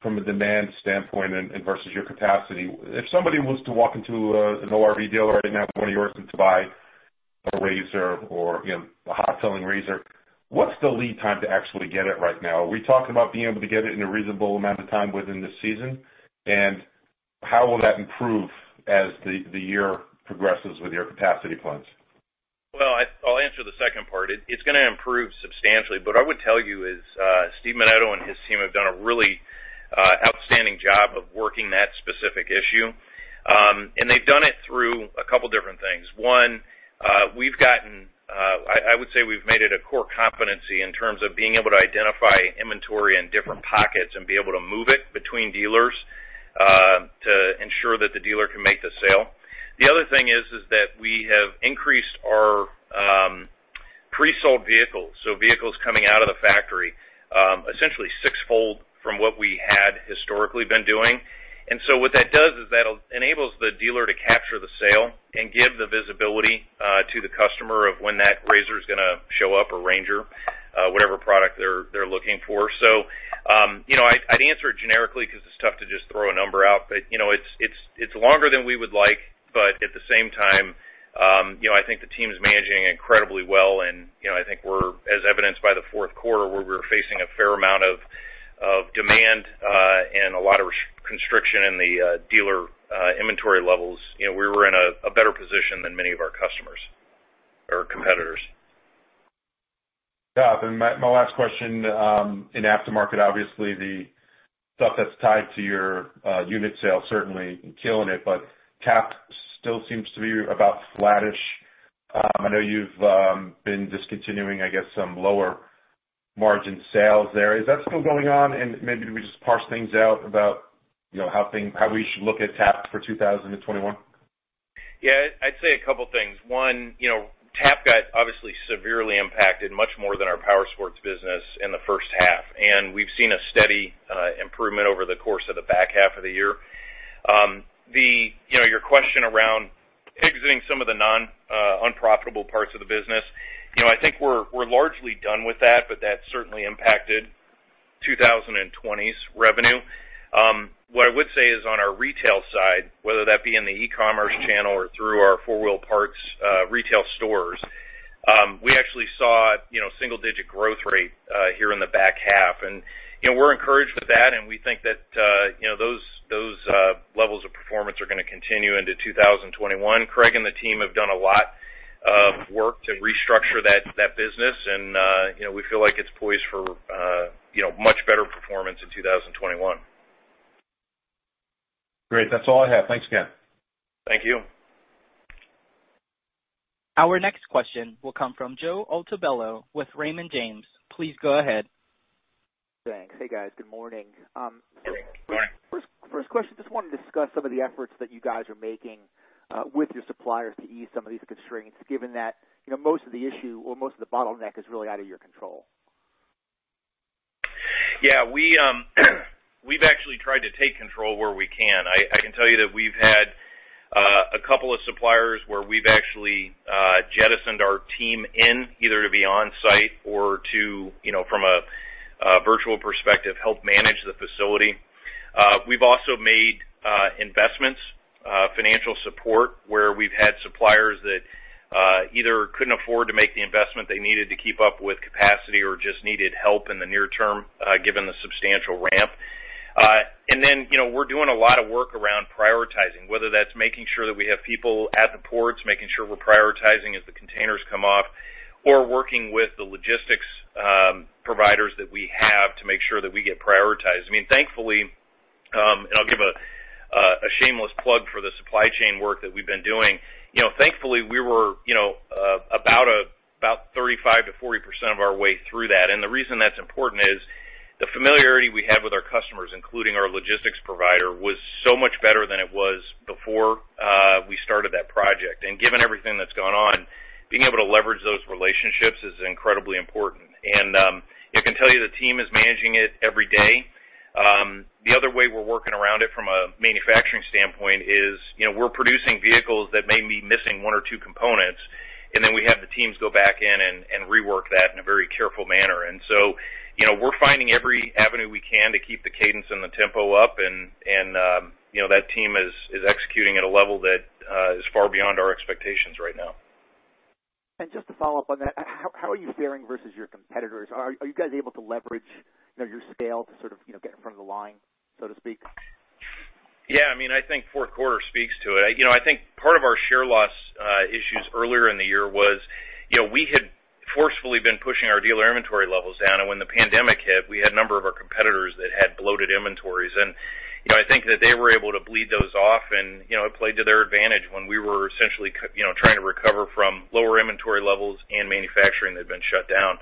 from a demand standpoint and versus your capacity. If somebody was to walk into an ORV dealer right now, one of yours, and to buy a RZR or a hot-selling RZR, what's the lead time to actually get it right now? Are we talking about being able to get it in a reasonable amount of time within this season? How will that improve as the year progresses with your capacity plans? I'll answer the second part. It's going to improve substantially, but what I would tell you is, Steve Menneto and his team have done a really outstanding job of working that specific issue. They've done it through a couple different things. One, I would say we've made it a core competency in terms of being able to identify inventory in different pockets and be able to move it between dealers to ensure that the dealer can make the sale. The other thing is that we have increased our pre-sold vehicles, so vehicles coming out of the factory, essentially six-fold from what we had historically been doing. What that does is that enables the dealer to capture the sale and give the visibility to the customer of when that RZR is going to show up, or RANGER, whatever product they're looking for. I'd answer it generically because it's tough to just throw a number out, but it's longer than we would like, but at the same time, I think the team's managing incredibly well, and I think as evidenced by the fourth quarter where we were facing a fair amount of demand and a lot of constriction in the dealer inventory levels, and we were in a better position than many of our customers or competitors. Yeah. My last question. In Aftermarket, obviously, the stuff that's tied to your unit sales, certainly killing it, but TAP still seems to be about flattish. I know you've been discontinuing, I guess, some lower-margin sales there. Is that still going on? Maybe we just parse things out about how we should look at TAP for 2021. Yeah. I'd say a couple things. One, TAP got obviously severely impacted, much more than our powersports business in the first half, and we've seen a steady improvement over the course of the back half of the year. Your question around exiting some of the unprofitable parts of the business. I think we're largely done with that, but that certainly impacted 2020's revenue. What I would say is on our retail side, whether that be in the e-commerce channel or through our 4 Wheel Parts retail stores, we actually saw single-digit growth rate here in the back half. We're encouraged with that, and we think that those levels of performance are going to continue into 2021. Craig and the team have done a lot of work to restructure that business, and we feel like it's poised for much better performance in 2021. Great. That's all I have. Thanks again. Thank you. Our next question will come from Joe Altobello with Raymond James. Please go ahead. Thanks. Hey, guys. Good morning. Good morning. Good morning. First question, just wanted to discuss some of the efforts that you guys are making with your suppliers to ease some of these constraints, given that most of the issue or most of the bottleneck is really out of your control. Yeah. We've actually tried to take control where we can. I can tell you that we've had a couple of suppliers where we've actually jettisoned our team in, either to be on-site or to, from a virtual perspective, help manage the facility. We've also made investments, financial support, where we've had suppliers that either couldn't afford to make the investment they needed to keep up with capacity or just needed help in the near term, given the substantial ramp. We're doing a lot of work around prioritizing, whether that's making sure that we have people at the ports, making sure we're prioritizing as the containers come off, or working with the logistics providers that we have to make sure that we get prioritized. I'll give a shameless plug for the supply chain work that we've been doing. Thankfully, we were about 35%-40% of our way through that. The reason that's important is the familiarity we have with our customers, including our logistics provider, was so much better than it was before we started that project. Given everything that's gone on, being able to leverage those relationships is incredibly important. I can tell you, the team is managing it every day. The other way we're working around it from a manufacturing standpoint is we're producing vehicles that may be missing one or two components, and then we have the teams go back in and rework that in a very careful manner. We're finding every avenue we can to keep the cadence and the tempo up, and that team is executing at a level that is far beyond our expectations right now. Just to follow up on that, how are you faring versus your competitors? Are you guys able to leverage your scale to sort of get in front of the line, so to speak? Yeah, I think fourth quarter speaks to it. I think part of our share loss issues earlier in the year was we had forcefully been pushing our dealer inventory levels down. When the pandemic hit, we had a number of our competitors that had bloated inventories. I think that they were able to bleed those off and it played to their advantage when we were essentially trying to recover from lower inventory levels and manufacturing that had been shut down.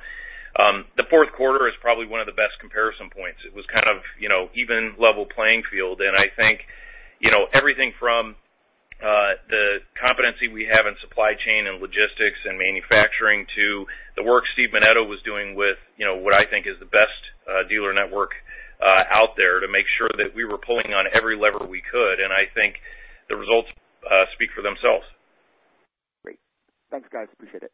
The fourth quarter is probably one of the best comparison points. It was kind of even level playing field. I think everything from the competency we have in supply chain and logistics and manufacturing to the work Steve Menneto was doing with what I think is the best dealer network out there to make sure that we were pulling on every lever we could, and I think the results speak for themselves. Great. Thanks, guys. Appreciate it.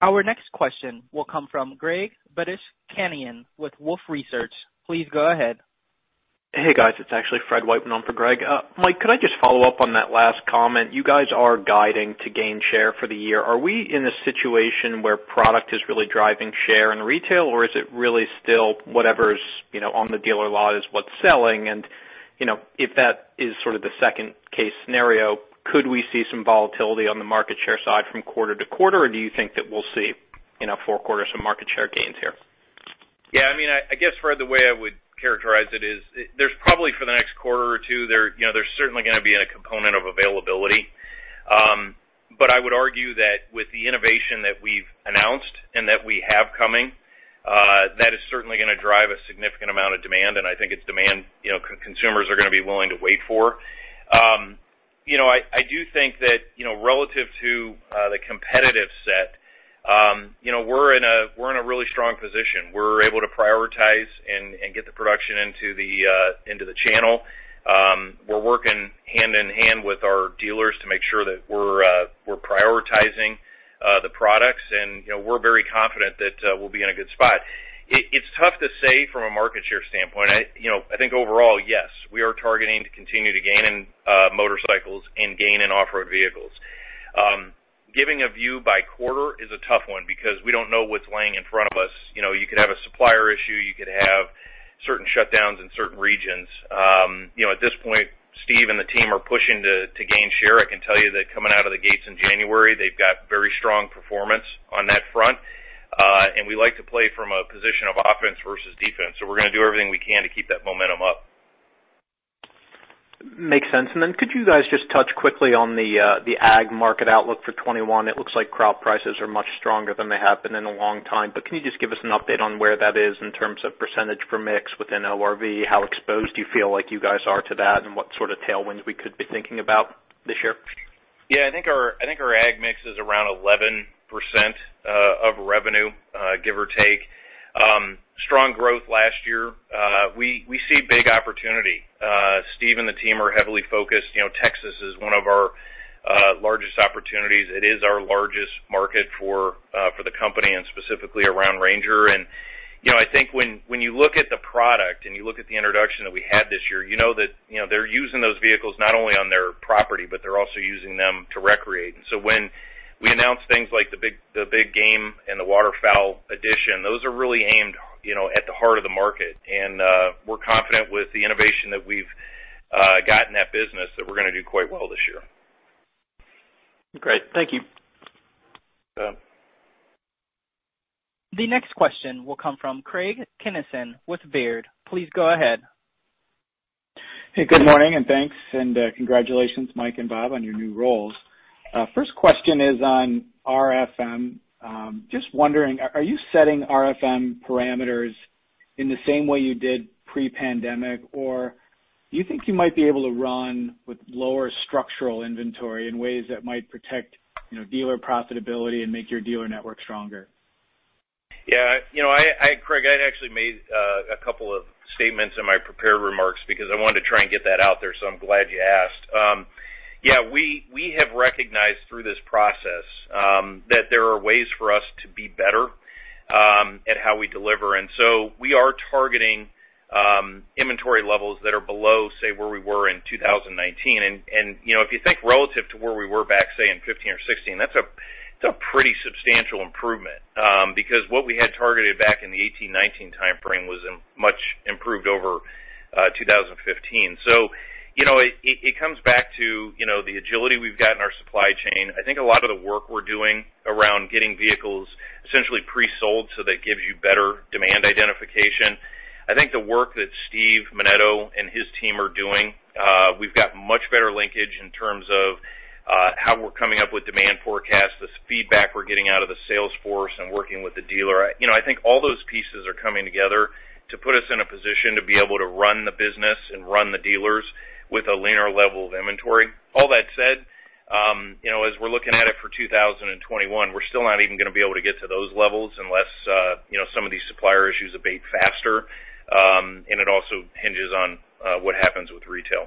Our next question will come from Greg Badishkanian with Wolfe Research. Please go ahead. Hey, guys. It's actually Fred Wightman on for Greg. Mike, could I just follow up on that last comment? You guys are guiding to gain share for the year. Are we in a situation where product is really driving share in retail, or is it really still whatever's on the dealer lot is what's selling? If that is sort of the second case scenario, could we see some volatility on the market share side from quarter-to-quarter, or do you think that we'll see, in fourth quarter, some market share gains here? Yeah. I guess, Fred, the way I would characterize it is there's probably for the next quarter or two, there's certainly going to be a component of availability. I would argue that with the innovation that we've announced and that we have coming, that is certainly going to drive a significant amount of demand, and I think it's demand consumers are going to be willing to wait for. I do think that relative to the competitive set, we're in a really strong position. We're able to prioritize and get the production into the channel. We're working hand-in-hand with our dealers to make sure that we're prioritizing the products, and we're very confident that we'll be in a good spot. It's tough to say from a market share standpoint. I think overall, yes, we are targeting to continue to gain in Motorcycles and gain in Off-Road Vehicles. Giving a view by quarter is a tough one because we don't know what's laying in front of us. You could have a supplier issue, you could have certain shutdowns in certain regions. At this point, Steve and the team are pushing to gain share. I can tell you that coming out of the gates in January, they've got very strong performance on that front. We like to play from a position of offense versus defense. We're going to do everything we can to keep that momentum up. Makes sense. Could you guys just touch quickly on the ag market outlook for 2021? It looks like crop prices are much stronger than they have been in a long time, but can you just give us an update on where that is in terms of percentage per mix within ORV? How exposed do you feel like you guys are to that, and what sort of tailwinds we could be thinking about this year? Yeah, I think our ag mix is around 11% of revenue, give or take. Strong growth last year. We see big opportunity. Steve and the team are heavily focused. Texas is one of our largest opportunities. It is our largest market for the company and specifically around RANGER. I think when you look at the product and you look at the introduction that we had this year, you know that they're using those vehicles not only on their property, but they're also using them to recreat, so when we announce things like the Big Game and the Waterfowl Edition, those are really aimed at the heart of the market. We're confident with the innovation that we've got in that business that we're going to do quite well this year. Great. Thank you. The next question will come from Craig Kennison with Baird. Please go ahead. Hey, good morning. Thanks, and congratulations, Mike and Bob, on your new roles. First question is on RFM. Just wondering, are you setting RFM parameters in the same way you did pre-pandemic, or do you think you might be able to run with lower structural inventory in ways that might protect dealer profitability and make your dealer network stronger? Craig, I'd actually made a couple of statements in my prepared remarks because I wanted to try and get that out there, so I'm glad you asked. Yeah, we have recognized through this process that there are ways for us to be better at how we deliver. We are targeting inventory levels that are below, say, where we were in 2019. If you think relative to where we were back, say, in 2015 or 2016, that's a pretty substantial improvement because what we had targeted back in the 2018, 2019 timeframe was much improved over 2015. It comes back to the agility we've got in our supply chain but I think a lot of the work we're doing around getting vehicles essentially pre-sold, so that gives you better demand identification. I think the work that Steve Menneto and his team are doing, we've got much better linkage in terms of how we're coming up with demand forecasts, the feedback we're getting out of the sales force and working with the dealer. I think all those pieces are coming together to put us in a position to be able to run the business and run the dealers with a leaner level of inventory. All that said, as we're looking at it for 2021, we're still not even going to be able to get to those levels unless some of these supplier issues abate faster. It also hinges on what happens with retail.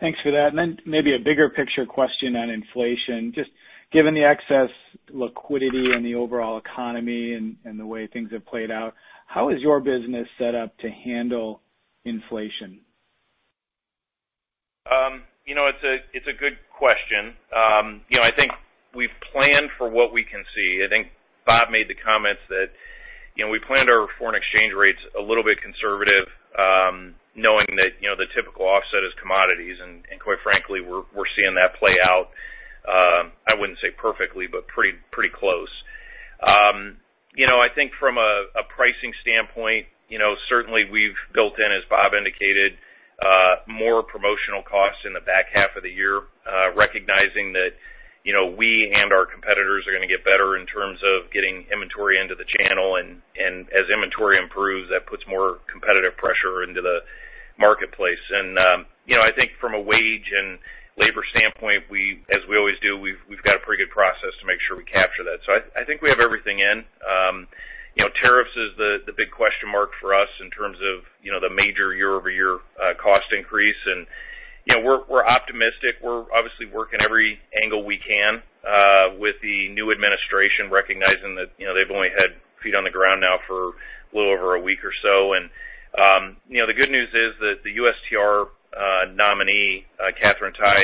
Thanks for that. Maybe a bigger picture question on inflation, just given the excess liquidity in the overall economy and the way things have played out, how is your business set up to handle inflation? It's a good question. I think we've planned for what we can see. I think Bob made the comments that we planned our foreign exchange rates a little bit conservative, knowing that the typical offset is commodities. Quite frankly, we're seeing that play out, I wouldn't say perfectly, but pretty close. I think from a pricing standpoint, certainly we've built in, as Bob indicated, more promotional costs in the back half of the year, recognizing that we and our competitors are going to get better in terms of getting inventory into the channel. As inventory improves, that puts more competitive pressure into the marketplace. I think from a wage and labor standpoint, as we always do, we've got a pretty good process to make sure we capture that. I think we have everything in. Tariffs is the big question mark for us in terms of the major year-over-year cost increase. We're optimistic. We're obviously working every angle we can with the new administration, recognizing that they've only had feet on the ground now for a little over a week or so. The good news is that the USTR nominee, Katherine Tai,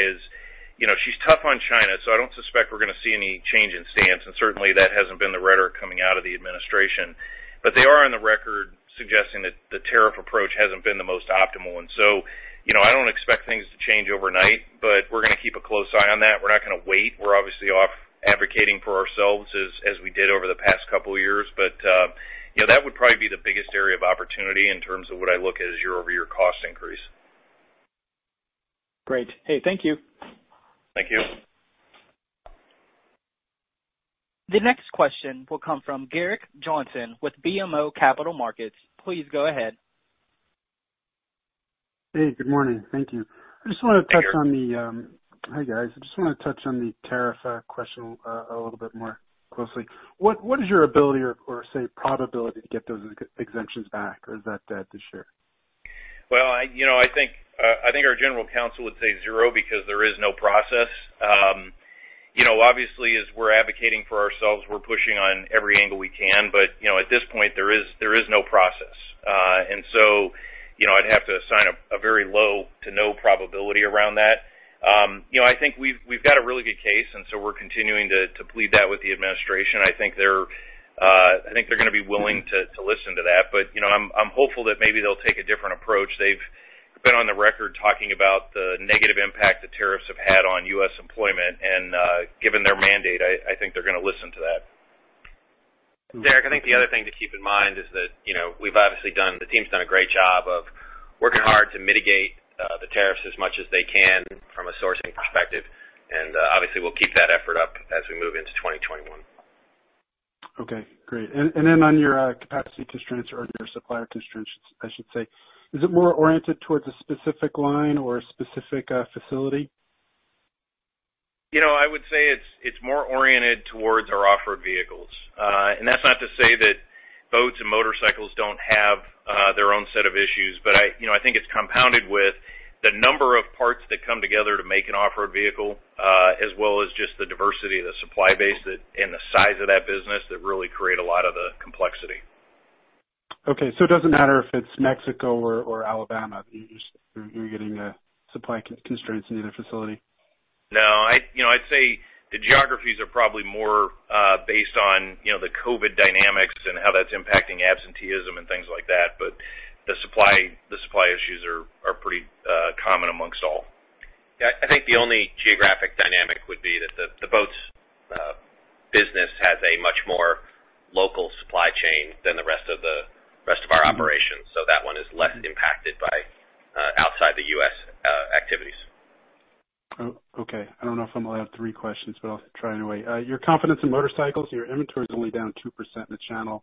she's tough on China, so I don't suspect we're going to see any change in stance. Certainly, that hasn't been the rhetoric coming out of the administration but they are on the record suggesting that the tariff approach hasn't been the most optimal one. I don't expect things to change overnight, but we're going to keep a close eye on that. We're not going to wait. We're obviously off advocating for ourselves, as we did over the past couple of years. That would probably be the biggest area of opportunity in terms of what I look at as year-over-year cost increase. Great. Hey, thank you. Thank you. The next question will come from Gerrick Johnson with BMO Capital Markets. Please go ahead. Hey, good morning. Thank you. Hi, guys. I just want to touch on the tariff question a little bit more closely. What is your ability or, say, probability to get those exemptions back, or is that dead this year? Well, I think our general counsel would say zero because there is no process. Obviously, as we're advocating for ourselves, we're pushing on every angle we can. At this point, there is no process. I'd have to assign a very low to no probability around that. I think we've got a really good case, and so we're continuing to plead that with the administration. I think they're going to be willing to listen to that. I'm hopeful that maybe they'll take a different approach. They've been on the record talking about the negative impact that tariffs have had on U.S. employment, and given their mandate, I think they're going to listen to that. Gerrick, I think the other thing to keep in mind is that the team's done a great job of working hard to mitigate the tariffs as much as they can from a sourcing perspective. Obviously, we'll keep that effort up as we move into 2021. Okay. Great. On your capacity constraints or your supplier constraints, I should say, is it more oriented towards a specific line or a specific facility? I would say it's more oriented towards our Off-Road Vehicles. That's not to say that Boats and Motorcycles don't have their own set of issues, but I think it's compounded with the number of parts that come together to make an off-road vehicle, as well as just the diversity of the supply base and the size of that business that really create a lot of the complexity. Okay. It doesn't matter if it's Mexico or Alabama. You're getting the supply constraints in either facility. No. I'd say the geographies are probably more based on the COVID dynamics and how that's impacting absenteeism and things like that. The supply issues are pretty common amongst all. I think the only geographic dynamic would be that the Boats business has a much more local supply chain than the rest of our operations. That one is less impacted by outside the U.S. activities. Okay. I don't know if I'm allowed three questions. I'll try anyway. Your confidence in Motorcycles, your inventory's only down 2% in the channel.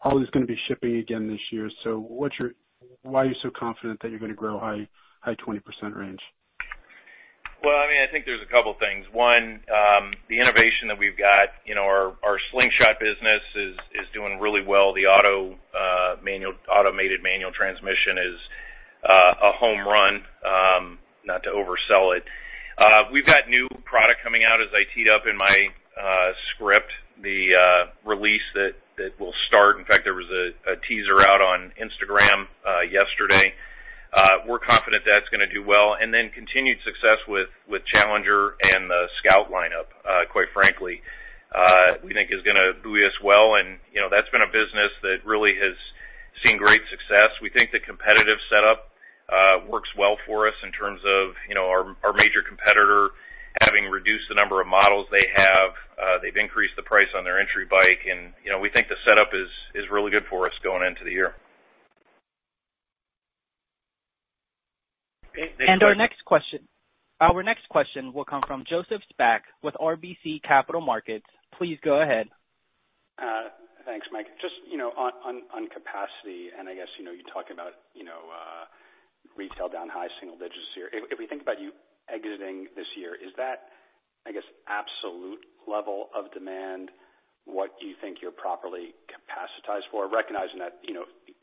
How is this going to be shipping again this year? Why are you so confident that you're going to grow high 20% range? Well, I think there's a couple things. One, the innovation that we've got. Our Slingshot business is doing really well. The automated manual transmission is a home run, not to oversell it. We've got new product coming out as I teed up in my script, the release that will start. In fact, there was a teaser out on Instagram yesterday. We're confident that's going to do well, and then continued success with Challenger and the Scout lineup, quite frankly, we think is going to buoy us well. That's been a business that really has seen great success. We think the competitive setup works well for us in terms of our major competitor having reduced the number of models they have. They've increased the price on their entry bike. We think the setup is really good for us going into the year. Okay, thanks. Our next question will come from Joseph Spak with RBC Capital Markets. Please go ahead. Thanks, Mike. Just on capacity, I guess, you talked about retail down high single digits this year. If we think about you exiting this year, is that, I guess, absolute level of demand, what you think you're properly capacitized for, recognizing that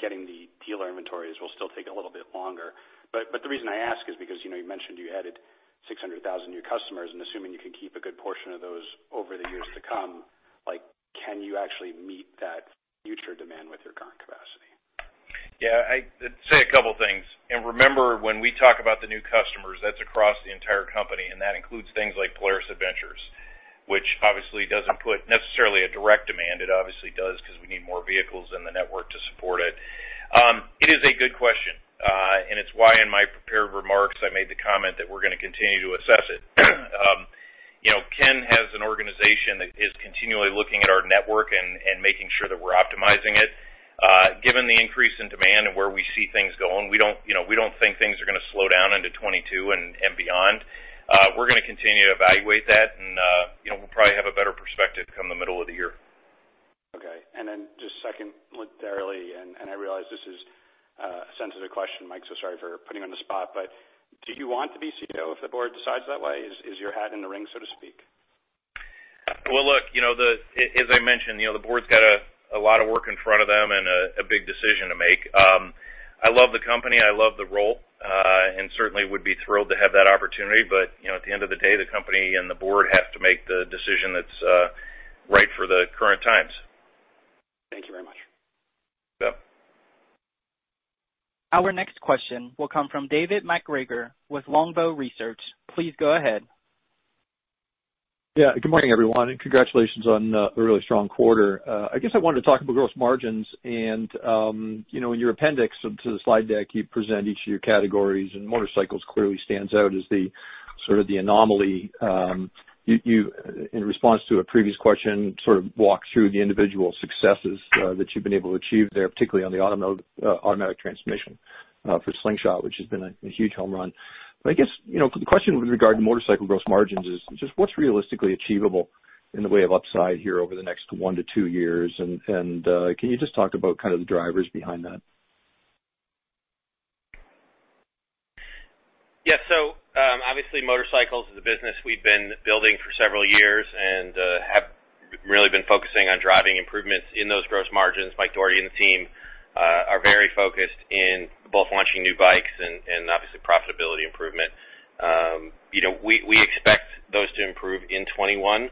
getting the dealer inventories will still take a little bit longer. The reason I ask is because you mentioned you added 600,000 new customers, assuming you can keep a good portion of those over the years to come, can you actually meet that future demand with your current capacity? Yeah, I'd say a couple things. Remember, when we talk about the new customers, that's across the entire company, and that includes things like Polaris Adventures, which obviously doesn't put necessarily a direct demand. It obviously does because we need more vehicles and the network to support it. It is a good question, and it's why in my prepared remarks, I made the comment that we're going to continue to assess it. Ken has an organization that is continually looking at our network and making sure that we're optimizing it. Given the increase in demand and where we see things going, we don't think things are going to slow down into 2022 and beyond. We're going to continue to evaluate that and we'll probably have a better perspective come the middle of the year. Okay. Just secondarily, I realize this is a sensitive question, Mike. Sorry for putting you on the spot. Do you want to be CEO if the Board decides that way? Is your hat in the ring, so to speak? Well, look, as I mentioned, the Board's got a lot of work in front of them and a big decision to make. I love the company. I love the role. Certainly would be thrilled to have that opportunity. At the end of the day, the company and the Board have to make the decision that's right for the current times. Thank you very much. Yep. Our next question will come from David MacGregor with Longbow Research. Please go ahead. Good morning, everyone, and congratulations on a really strong quarter. I guess I wanted to talk about gross margins and in your appendix to the slide deck, you present each of your categories, and Motorcycles clearly stands out as the sort of the anomaly. In response to a previous question, sort of walked through the individual successes that you've been able to achieve there, particularly on the automatic transmission for Slingshot, which has been a huge home run. I guess the question with regard to motorcycle gross margins is just what's realistically achievable in the way of upside here over the next one to two years? Can you just talk about kind of the drivers behind that? Yeah. Obviously, Motorcycles is a business we've been building for several years and have really been focusing on driving improvements in those gross margins. Mike Dougherty and team are very focused in both launching new bikes and obviously profitability improvement. We expect those to improve in 2021,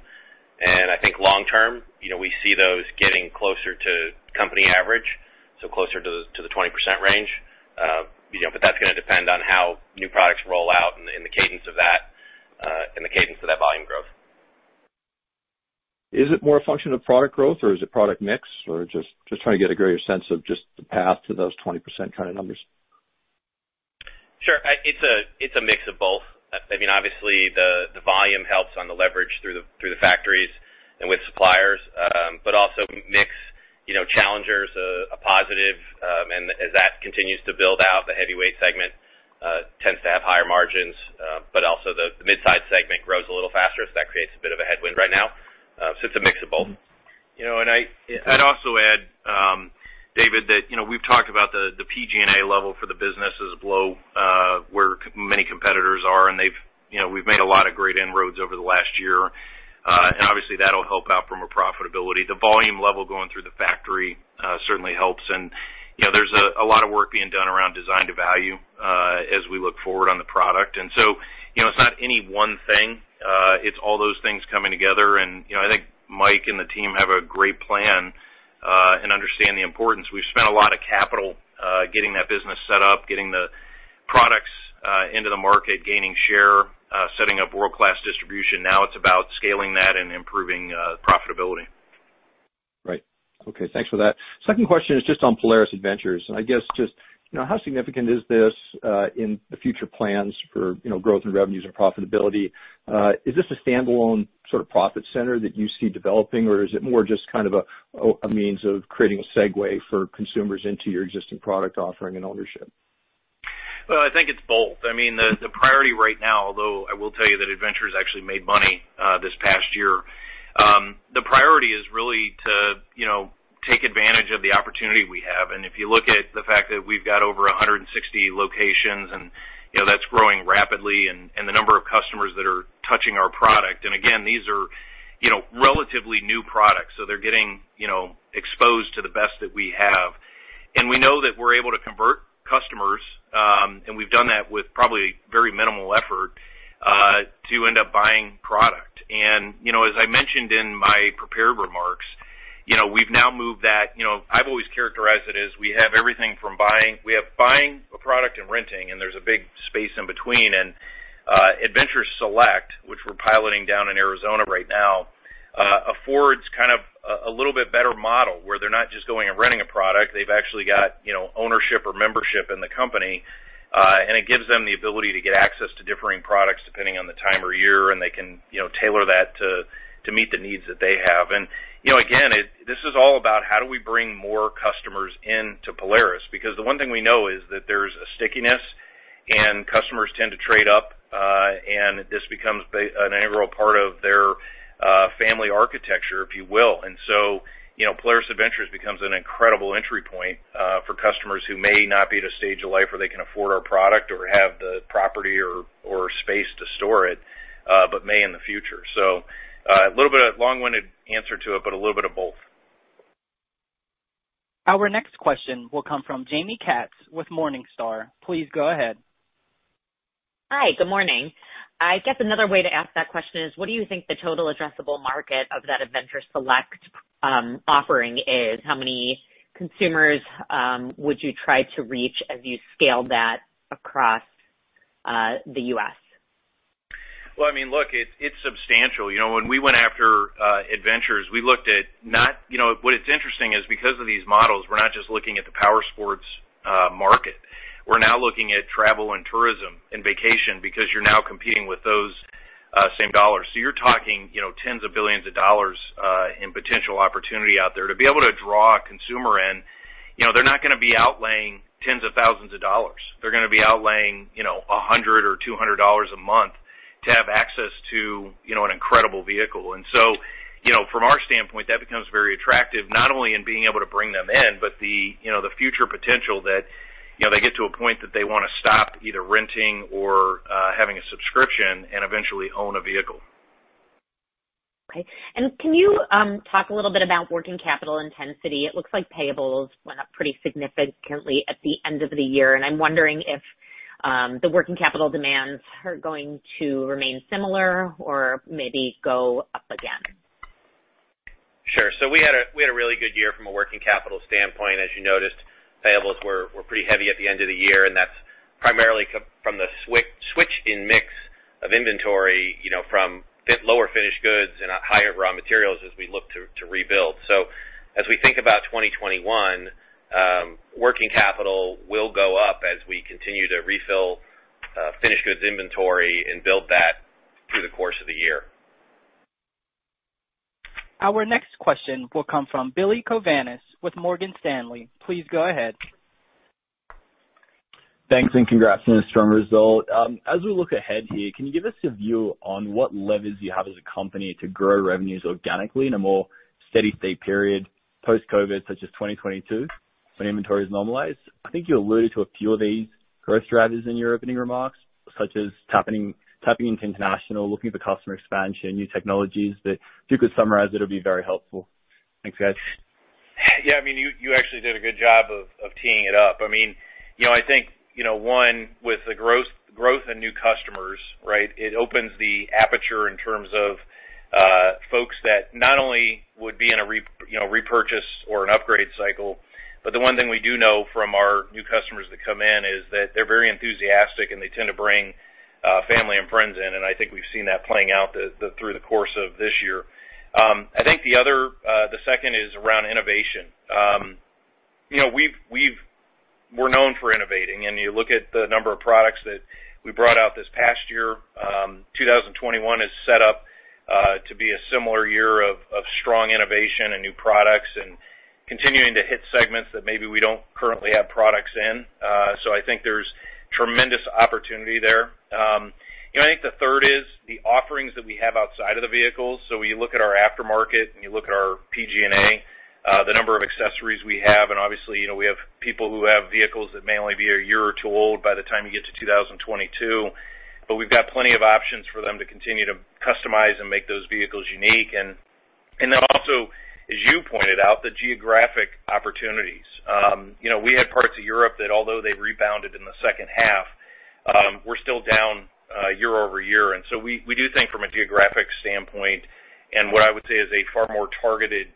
and I think long term, we see those getting closer to company average, so closer to the 20% range. That's going to depend on how new products roll out and the cadence of that volume growth. Is it more a function of product growth or is it product mix or just trying to get a greater sense of just the path to those 20% kind of numbers. Sure. It's a mix of both. Obviously, the volume helps on the leverage through the factories and with suppliers, but also mix. Challenger is a positive, and as that continues to build out, the heavyweight segment tends to have higher margins. Also the mid-size segment grows a little faster, so that creates a bit of a headwind right now. It's a mix of both. I'd also add, David, that we've talked about the PG&A level for the business is below where many competitors are, and we've made a lot of great inroads over the last year. Obviously that'll help out from a profitability. The volume level going through the factory certainly helps. There's a lot of work being done around design to value as we look forward on the product and so it's not any one thing. It's all those things coming together, and I think Mike and the team have a great plan and understand the importance. We've spent a lot of capital getting that business set up, getting the products into the market, gaining share, setting up world-class distribution. Now it's about scaling that and improving profitability. Right. Okay, thanks for that. Second question is just on Polaris Adventures. I guess just, how significant is this in the future plans for growth and revenues and profitability? Is this a standalone sort of profit center that you see developing, or is it more just kind of a means of creating a segue for consumers into your existing product offering and ownership? Well, I think it's both. The priority right now, although I will tell you that Adventures actually made money this past year, the priority is really to take advantage of the opportunity we have. If you look at the fact that we've got over 160 locations, and that's growing rapidly, and the number of customers that are touching our product, and again, these are relatively new products, so they're getting exposed to the best that we have. We know that we're able to convert customers, and we've done that with probably very minimal effort, to end up buying product. As I mentioned in my prepared remarks, I've always characterized it as we have everything from buying a product and renting, and there's a big space in between. Adventures Select, which we're piloting down in Arizona right now, affords kind of a little bit better model, where they're not just going and renting a product, they've actually got ownership or membership in the company. It gives them the ability to get access to differing products depending on the time of year, and they can tailor that to meet the needs that they have. Again, this is all about how do we bring more customers into Polaris, because the one thing we know is that there's a stickiness and customers tend to trade up, and this becomes an integral part of their family architecture, if you will. Polaris Adventures becomes an incredible entry point for customers who may not be at a stage of life where they can afford our product or have the property or space to store it, but may in the future. A little bit of a long-winded answer to it, but a little bit of both. Our next question will come from Jaime Katz with Morningstar. Please go ahead. Hi, good morning. I guess another way to ask that question is, what do you think the total addressable market of that Adventures Select offering is? How many consumers would you try to reach as you scale that across the U.S.? Well, look, it's substantial. When we went after Adventures, what is interesting is because of these models, we're not just looking at the powersports market. We're now looking at travel and tourism and vacation because you're now competing with those same dollars. You're talking tens of billions of dollars in potential opportunity out there. To be able to draw a consumer in, they're not going to be outlaying tens of thousands of dollars. They're going to be outlaying $100 or $200 a month to have access to an incredible vehicle. From our standpoint, that becomes very attractive, not only in being able to bring them in, but the future potential that they get to a point that they want to stop either renting or having a subscription and eventually own a vehicle. Okay. Can you talk a little bit about working capital intensity? It looks like payables went up pretty significantly at the end of the year, and I'm wondering if the working capital demands are going to remain similar or maybe go up again. Sure. We had a really good year from a working capital standpoint. As you noticed, payables were pretty heavy at the end of the year, and that's primarily from the switch in mix of inventory, from lower finished goods and higher raw materials as we look to rebuild. As we think about 2021, working capital will go up as we continue to refill finished goods inventory and build that through the course of the year. Our next question will come from Billy Kovanis with Morgan Stanley. Please go ahead. Thanks and congrats on the strong result. As we look ahead here, can you give us a view on what levers you have as a company to grow revenues organically in a more steady state period post-COVID, such as 2022, when inventory is normalized? I think you alluded to a few of these growth drivers in your opening remarks, such as tapping into International, looking for customer expansion, new technologies, but if you could summarize, it'll be very helpful. Thanks, guys. Yeah, you actually did a good job of teeing it up. I think, one, with the growth in new customers, right, it opens the aperture in terms of folks that not only would be in a repurchase or an upgrade cycle, but the one thing we do know from our new customers that come in is that they're very enthusiastic and they tend to bring family and friends in, and I think we've seen that playing out through the course of this year. I think the second is around innovation. We're known for innovating and when you look at the number of products that we brought out this past year. 2021 is set up to be a similar year of strong innovation and new products and continuing to hit segments that maybe we don't currently have products in. I think there's tremendous opportunity there. I think the third is the offerings that we have outside of the vehicles. When you look at our Aftermarket and you look at our PG&A, the number of accessories we have, and obviously, we have people who have vehicles that may only be a year or two old by the time you get to 2022, but we've got plenty of options for them to continue to customize and make those vehicles unique. Also, as you pointed out, the geographic opportunities. We had parts of Europe that although they've rebounded in the second half, we're still down year-over-year. We do think from a geographic standpoint and what I would say is a far more targeted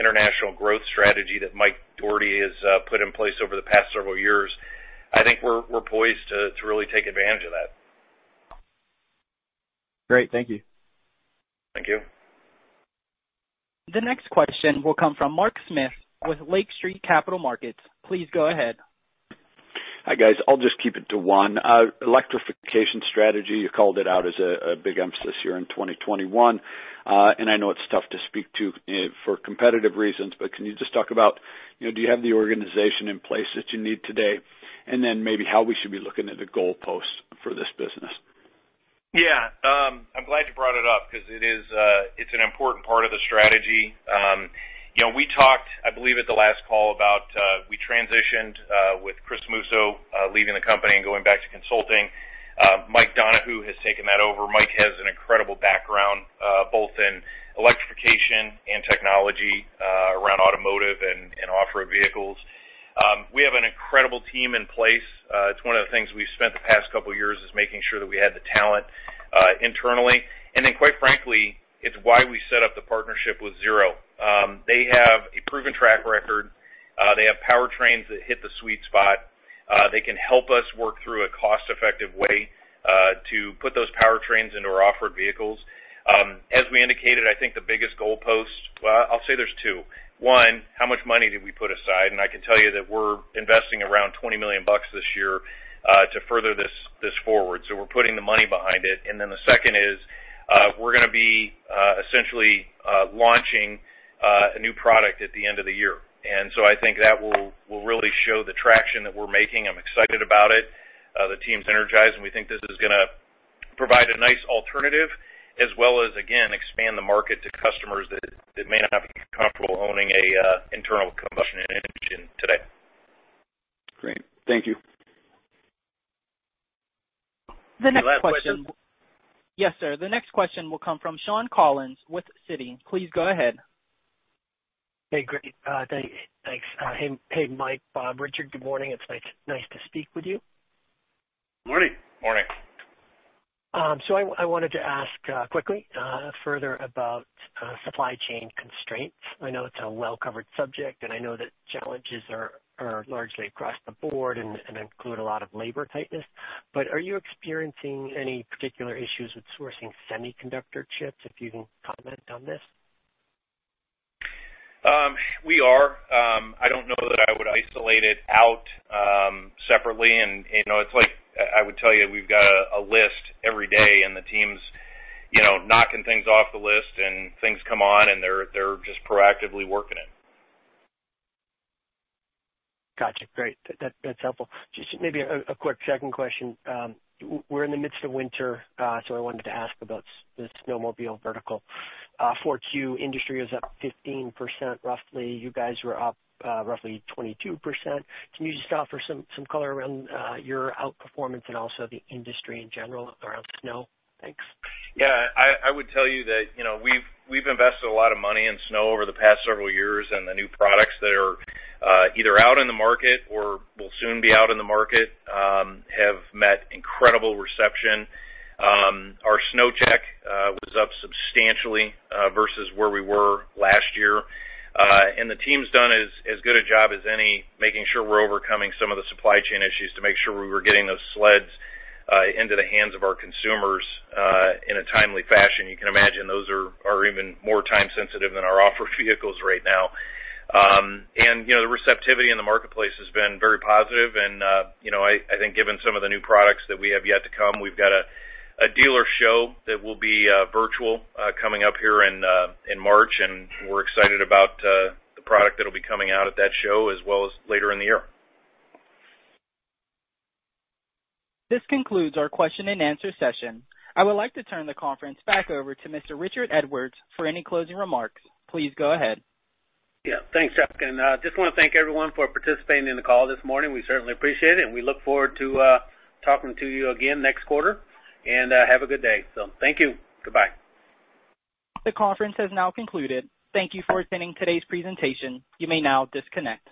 International growth strategy that Mike Dougherty has put in place over the past several years, I think we're poised to really take advantage of that. Great. Thank you. Thank you. The next question will come from Mark Smith with Lake Street Capital Markets. Please go ahead. Hi, guys. I'll just keep it to one. Electrification strategy, you called it out as a big emphasis here in 2021. I know it's tough to speak to for competitive reasons, but can you just talk about do you have the organization in place that you need today, and then maybe how we should be looking at the goalpost for this business? Yeah. I'm glad you brought it up, because it's an important part of the strategy. We talked, I believe, at the last call about we transitioned with Chris Musso leaving the company and going back to consulting. Mike Donoughe has taken that over. Mike has an incredible background both in electrification and technology around automotive and Off-Road Vehicles. We have an incredible team in place. It's one of the things we've spent the past couple of years, is making sure that we had the talent internally. Quite frankly, it's why we set up the partnership with Zero. They have a proven track record. They have powertrains that hit the sweet spot. They can help us work through a cost-effective way to put those powertrains into our Off-Road Vehicles. As we indicated, I think the biggest goalpost, well, I'll say there's two. One, how much money did we put aside? I can tell you that we're investing around $20 million this year to further this forward, so we're putting the money behind it. The second is, we're going to be essentially launching a new product at the end of the year. I think that will really show the traction that we're making. I'm excited about it. The team's energized, and we think this is going to provide a nice alternative as well as, again, expand the market to customers that may not be comfortable owning an internal combustion engine today. Great. Thank you. Any last questions? Yes, sir. The next question will come from Shawn Collins with Citi. Please go ahead. Hey. Great. Thanks. Hey, Mike, Richard, good morning. It's nice to speak with you. Morning. Morning. I wanted to ask quickly further about supply chain constraints. I know it's a well-covered subject, and I know that challenges are largely across the Board and include a lot of labor tightness. Are you experiencing any particular issues with sourcing semiconductor chips, if you can comment on this? We are. I don't know that I would isolate it out separately. It's like I would tell you, we've got a list every day, and the team's knocking things off the list, and things come on, and they're just proactively working it. Got you. Great. That's helpful. Just maybe a quick second question. We're in the midst of winter, I wanted to ask about the Snowmobile vertical. 4Q industry is up 15%, roughly. You guys were up roughly 22%. Can you just offer some color around your outperformance and also the industry in general around snow? Thanks. Yeah. I would tell you that we've invested a lot of money in snow over the past several years, and the new products that are either out in the market or will soon be out in the market have met incredible reception. Our snow check was up substantially versus where we were last year. The team's done as good a job as any, making sure we're overcoming some of the supply chain issues to make sure we were getting those sleds into the hands of our consumers in a timely fashion. You can imagine those are even more time-sensitive than our Off-Road Vehicles right now. The receptivity in the marketplace has been very positive, and I think given some of the new products that we have yet to come, we've got a dealer show that will be virtual coming up here in March and we're excited about the product that'll be coming out at that show, as well as later in the year. This concludes our question-and-answer session. I would like to turn the conference back over to Mr. Richard Edwards for any closing remarks. Please go ahead. Yeah. Thanks, Justin. Just want to thank everyone for participating in the call this morning. We certainly appreciate it, and we look forward to talking to you again next quarter. Have a good day. Thank you. Goodbye. The conference has now concluded. Thank you for attending today's presentation. You may now disconnect.